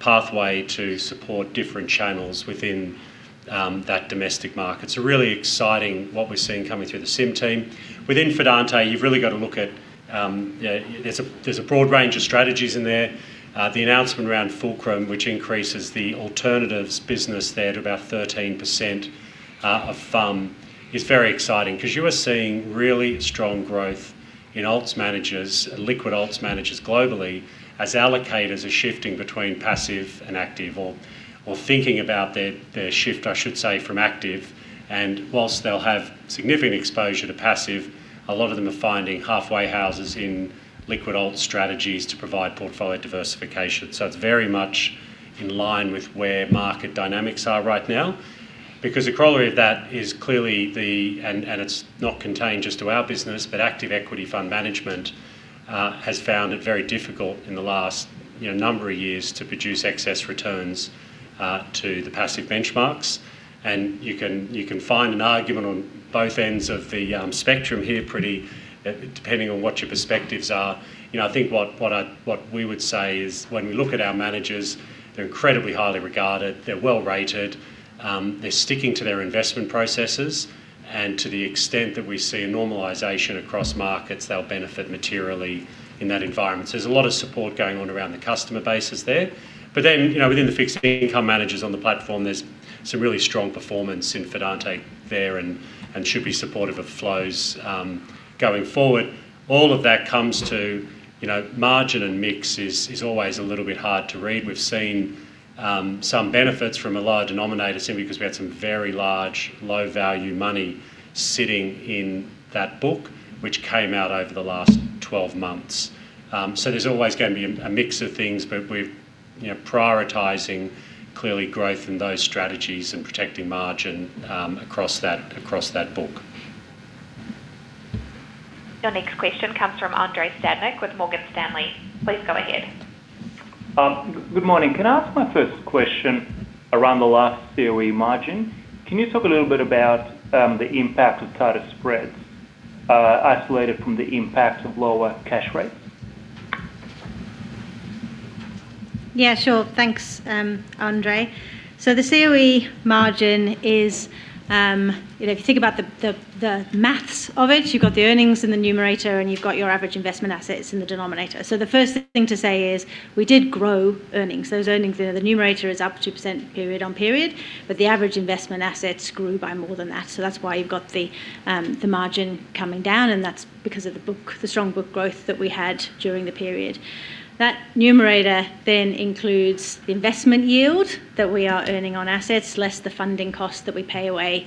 pathway to support different channels within that domestic market. So really exciting what we're seeing coming through the CIM team. Within Fidante, you've really got to look at. Yeah, there's a, there's a broad range of strategies in there. The announcement around Fulcrum, which increases the alternatives business there to about 13%, of FUM, is very exciting. 'Cause you are seeing really strong growth in alts managers, liquid alts managers globally, as allocators are shifting between passive and active or, or thinking about their, their shift, I should say, from active. And whilst they'll have significant exposure to passive, a lot of them are finding halfway houses in liquid alt strategies to provide portfolio diversification. So it's very much in line with where market dynamics are right now. Because the corollary of that is clearly the, and, and it's not contained just to our business, but active equity fund management has found it very difficult in the last, you know, number of years to produce excess returns to the passive benchmarks. And you can find an argument on both ends of the spectrum here, pretty depending on what your perspectives are. You know, I think what we would say is, when we look at our managers, they're incredibly highly regarded, they're well-rated, they're sticking to their investment processes, and to the extent that we see a normalization across markets, they'll benefit materially in that environment. So there's a lot of support going on around the customer bases there. But then, you know, within the fixed income managers on the platform, there's some really strong performance in Fidante there, and should be supportive of flows going forward. All of that comes to, you know, margin and mix is always a little bit hard to read. We've seen some benefits from a lower denominator simply because we had some very large, low-value money sitting in that book, which came out over the last 12 months. So there's always going to be a mix of things, but we're, you know, prioritising clearly growth in those strategies and protecting margin across that book. Your next question comes from Andrei Stadnik with Morgan Stanley. Please go ahead. Good morning. Can I ask my first question around the last COE margin? Can you talk a little bit about the impact of tighter spreads isolated from the impact of lower cash rates? Yeah, sure. Thanks, Andrei. So the COE margin is you know, if you think about the math of it, you've got the earnings in the numerator, and you've got your average investment assets in the denominator. So the first thing to say is, we did grow earnings. Those earnings, you know, the numerator is up 2% period on period, but the average investment assets grew by more than that. So that's why you've got the margin coming down, and that's because of the book, the strong book growth that we had during the period. That numerator then includes the investment yield that we are earning on assets, less the funding cost that we pay away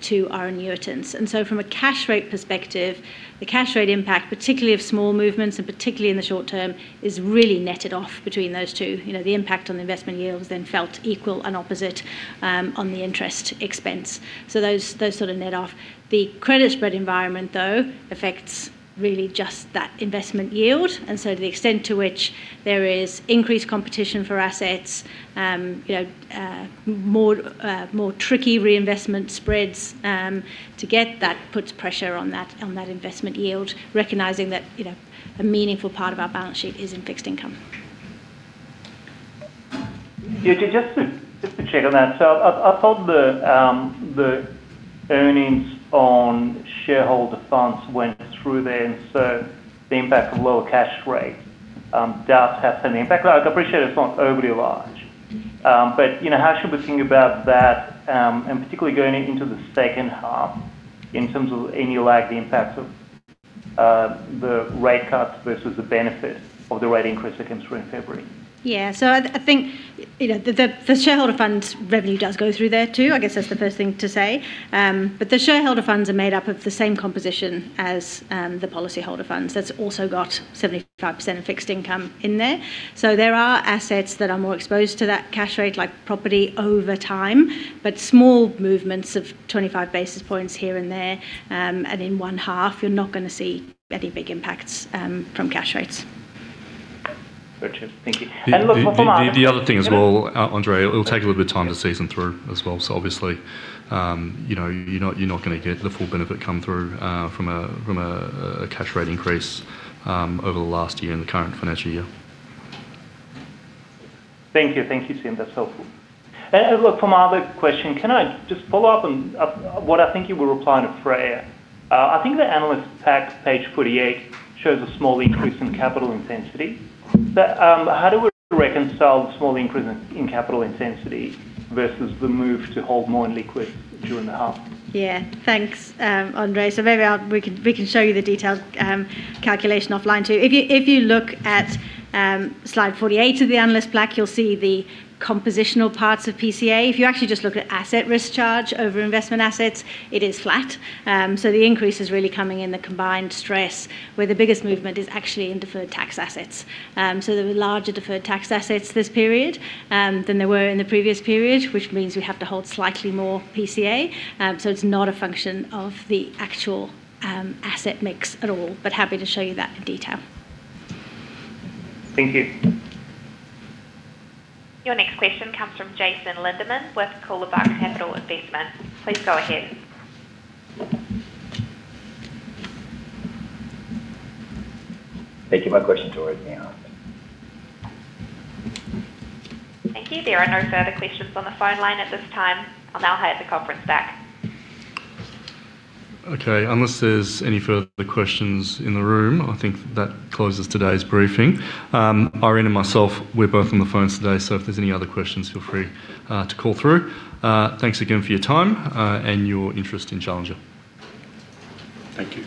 to our annuitants. So from a cash rate perspective, the cash rate impact, particularly of small movements, and particularly in the short term, is really netted off between those two. You know, the impact on the investment yields then felt equal and opposite, on the interest expense. So those, those sort of net off. The credit spread environment, though, affects really just that investment yield. And so to the extent to which there is increased competition for assets, you know, more, more tricky reinvestment spreads, to get that, puts pressure on that, on that investment yield, recognizing that, you know, a meaningful part of our balance sheet is in fixed income. Yeah, just to check on that. So I thought the earnings on shareholder funds went through there, and so the impact of lower cash rates does have some impact. Well, I appreciate it's not overly large. But, you know, how should we think about that, and particularly going into the H2 in terms of any lagged impacts of the rate cut versus the benefit of the rate increase that came through in February? Yeah. So I think, you know, the shareholder funds revenue does go through there, too. I guess that's the first thing to say. But the shareholder funds are made up of the same composition as the policyholder funds. That's also got 75% of fixed income in there. So there are assets that are more exposed to that cash rate, like property over time, but small movements of 25 basis points here and there, and in one half, you're not going to see any big impacts from cash rates. Gotcha. Thank you. And look, for my- The other thing as well, Andre, it'll take a little bit of time to season through as well. So obviously, you know, you're not going to get the full benefit come through from a cash rate increase over the last year and the current financial year. Thank you. Thank you, Nick. That's helpful. And, look, for my other question, can I just follow up on what I think you were replying to Freya? I think the analyst pack, page 48, shows a small increase in capital intensity. So, how do we reconcile the small increase in capital intensity versus the move to hold more in liquid during the half? Yeah. Thanks, Andre. So maybe we can show you the detailed calculation offline, too. If you look at slide 48 of the analyst pack, you'll see the compositional parts of PCA. If you actually just look at asset risk charge over investment assets, it is flat. So the increase is really coming in the combined stress, where the biggest movement is actually in deferred tax assets. So there were larger deferred tax assets this period than there were in the previous period, which means we have to hold slightly more PCA. So it's not a function of the actual asset mix at all, but happy to show you that in detail. Thank you. Your next question comes from Jason Lindeman with Coolabah Capital Investments. Please go ahead. Thank you. My question's already been answered. Thank you. There are no further questions on the phone line at this time. I'll now hand the conference back. Okay. Unless there's any further questions in the room, I think that closes today's briefing. Irene and myself, we're both on the phones today, so if there's any other questions, feel free to call through. Thanks again for your time and your interest in Challenger. Thank you.